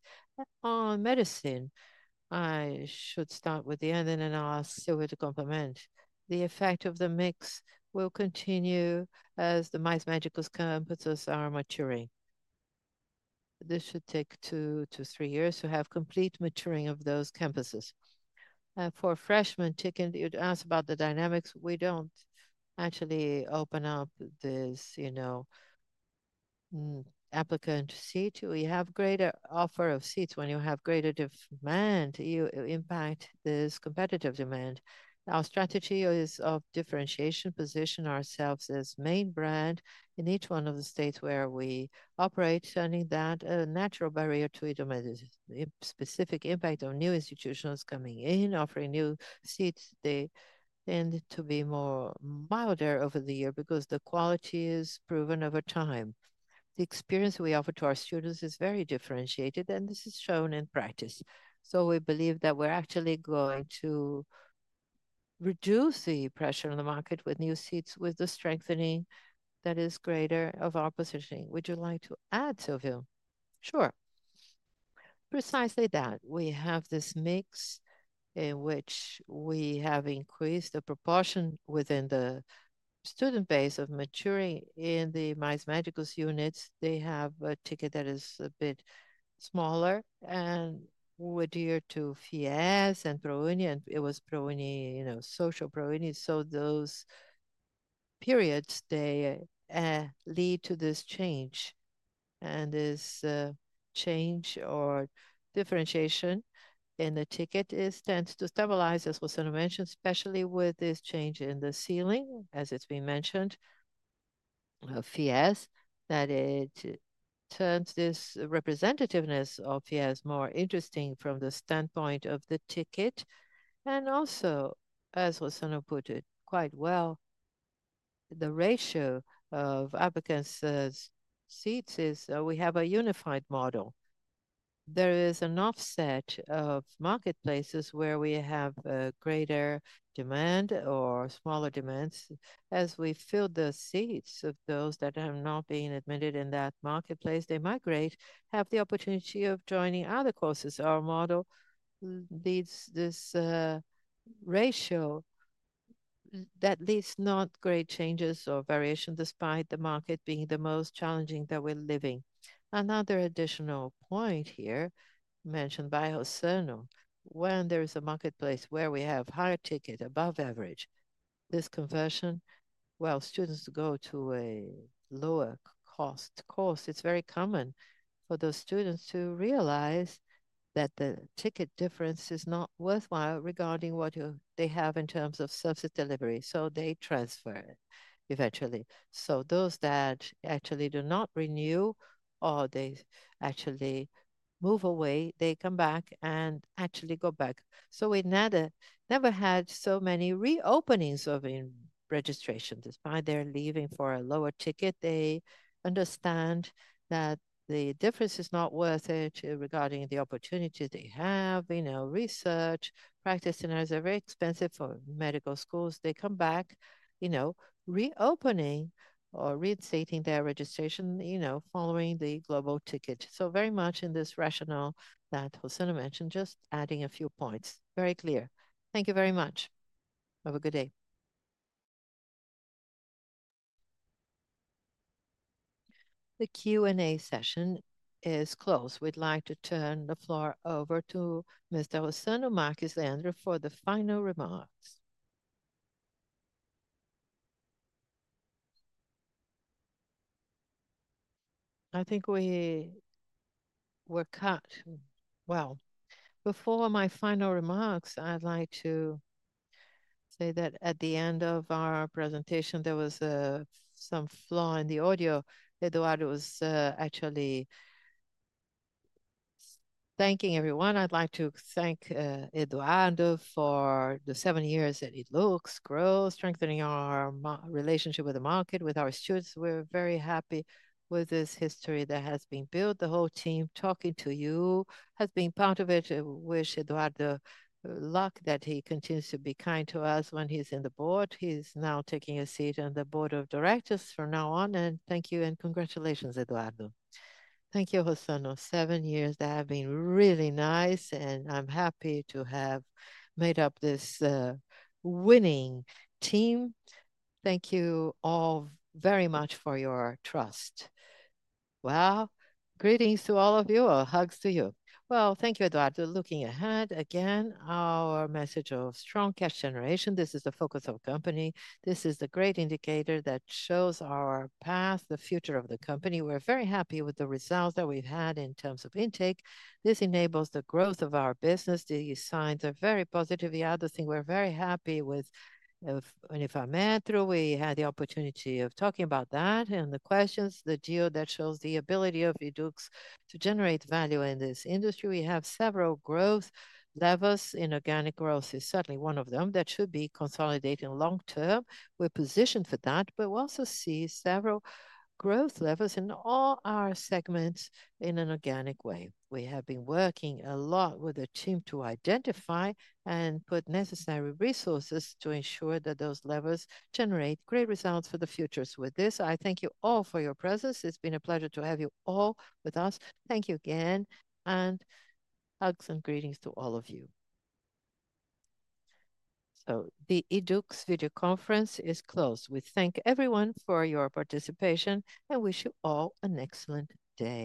On medicine, I should start with the end and then ask with a compliment. The effect of the mix will continue as the most mature campuses are maturing. This should take two to three years to have complete maturing of those campuses. For freshmen ticket, you'd ask about the dynamics. We don't actually open up this, you know, applicant seat. We have greater offer of seats when you have greater demand. You impact this competitive demand. Our strategy is of differentiation, position ourselves as main brand in each one of the states where we operate, sending that a natural barrier to a specific impact on new institutions coming in, offering new seats. They tend to be more milder over the year because the quality is proven over time. The experience we offer to our students is very differentiated, and this is shown in practice. We believe that we're actually going to reduce the pressure on the market with new seats, with the strengthening that is greater of our positioning. Would you like to add, Silvio? Sure. Precisely that. We have this mix in which we have increased the proportion within the student base of maturing in the mice magicals units. They have a ticket that is a bit smaller, and we're dear to Fies and Prouni, and it was Prouni, you know, social Prouni. Those periods, they lead to this change, and this change or differentiation in the ticket tends to stabilize, as Hosanna mentioned, especially with this change in the ceiling, as it's been mentioned, of Fies that it turns this representativeness of Fies more interesting from the standpoint of the ticket. Also, as Hosanna put it quite well, the ratio of applicants' seats is we have a unified model. There is an offset of marketplaces where we have greater demand or smaller demands. As we fill the seats of those that have not been admitted in that marketplace, they migrate, have the opportunity of joining other courses. Our model leads this ratio that leads not great changes or variation despite the market being the most challenging that we're living. Another additional point here mentioned by Hosanna, when there is a marketplace where we have higher ticket above average, this conversion, while students go to a lower-cost course, it's very common for those students to realize that the ticket difference is not worthwhile regarding what they have in terms of subsidy delivery. They transfer it eventually. Those that actually do not renew or they actually move away, they come back and actually go back. We never had so many reopenings of registration. Despite their leaving for a lower ticket, they understand that the difference is not worth it regarding the opportunity they have. You know, research, practice centers are very expensive for medical schools. They come back, you know, reopening or resetting their registration, you know, following the global ticket. Very much in this rationale that Hosanna mentioned, just adding a few points. Very clear. Thank you very much. Have a good day. The Q&A session is closed. We'd like to turn the floor over to Mr. Rossano Marcus Zander for the final remarks. I think we were cut. Before my final remarks, I'd like to say that at the end of our presentation, there was some flaw in the audio. Eduardo was actually thanking everyone. I'd like to thank Eduardo for the seven years that it looks, grows, strengthening our relationship with the market, with our students. We're very happy with this history that has been built. The whole team talking to you has been part of it. I wish Eduardo luck that he continues to be kind to us when he's in the Board. He's now taking a seat on the Board of Directors from now on. Thank you and congratulations, Eduardo. Thank you, Rossano. Seven years that have been really nice, and I'm happy to have made up this winning team. Thank you all very much for your trust. Greetings to all of you or hugs to you. Thank you, Eduardo. Looking ahead again, our message of strong cash generation. This is the focus of the company. This is a great indicator that shows our path, the future of the company. We're very happy with the results that we've had in terms of intake. This enables the growth of our business. The signs are very positive. The other thing we're very happy with, and if I may, through we had the opportunity of talking about that and the questions, the deal that shows the ability of Yduqs to generate value in this industry. We have several growth levers in organic growth. It's certainly one of them that should be consolidating long term. We're positioned for that, but we also see several growth levers in all our segments in an organic way. We have been working a lot with the team to identify and put necessary resources to ensure that those levers generate great results for the future. With this, I thank you all for your presence. It's been a pleasure to have you all with us. Thank you again, and hugs and greetings to all of you. The Yduqs video conference is closed. We thank everyone for your participation and wish you all an excellent day.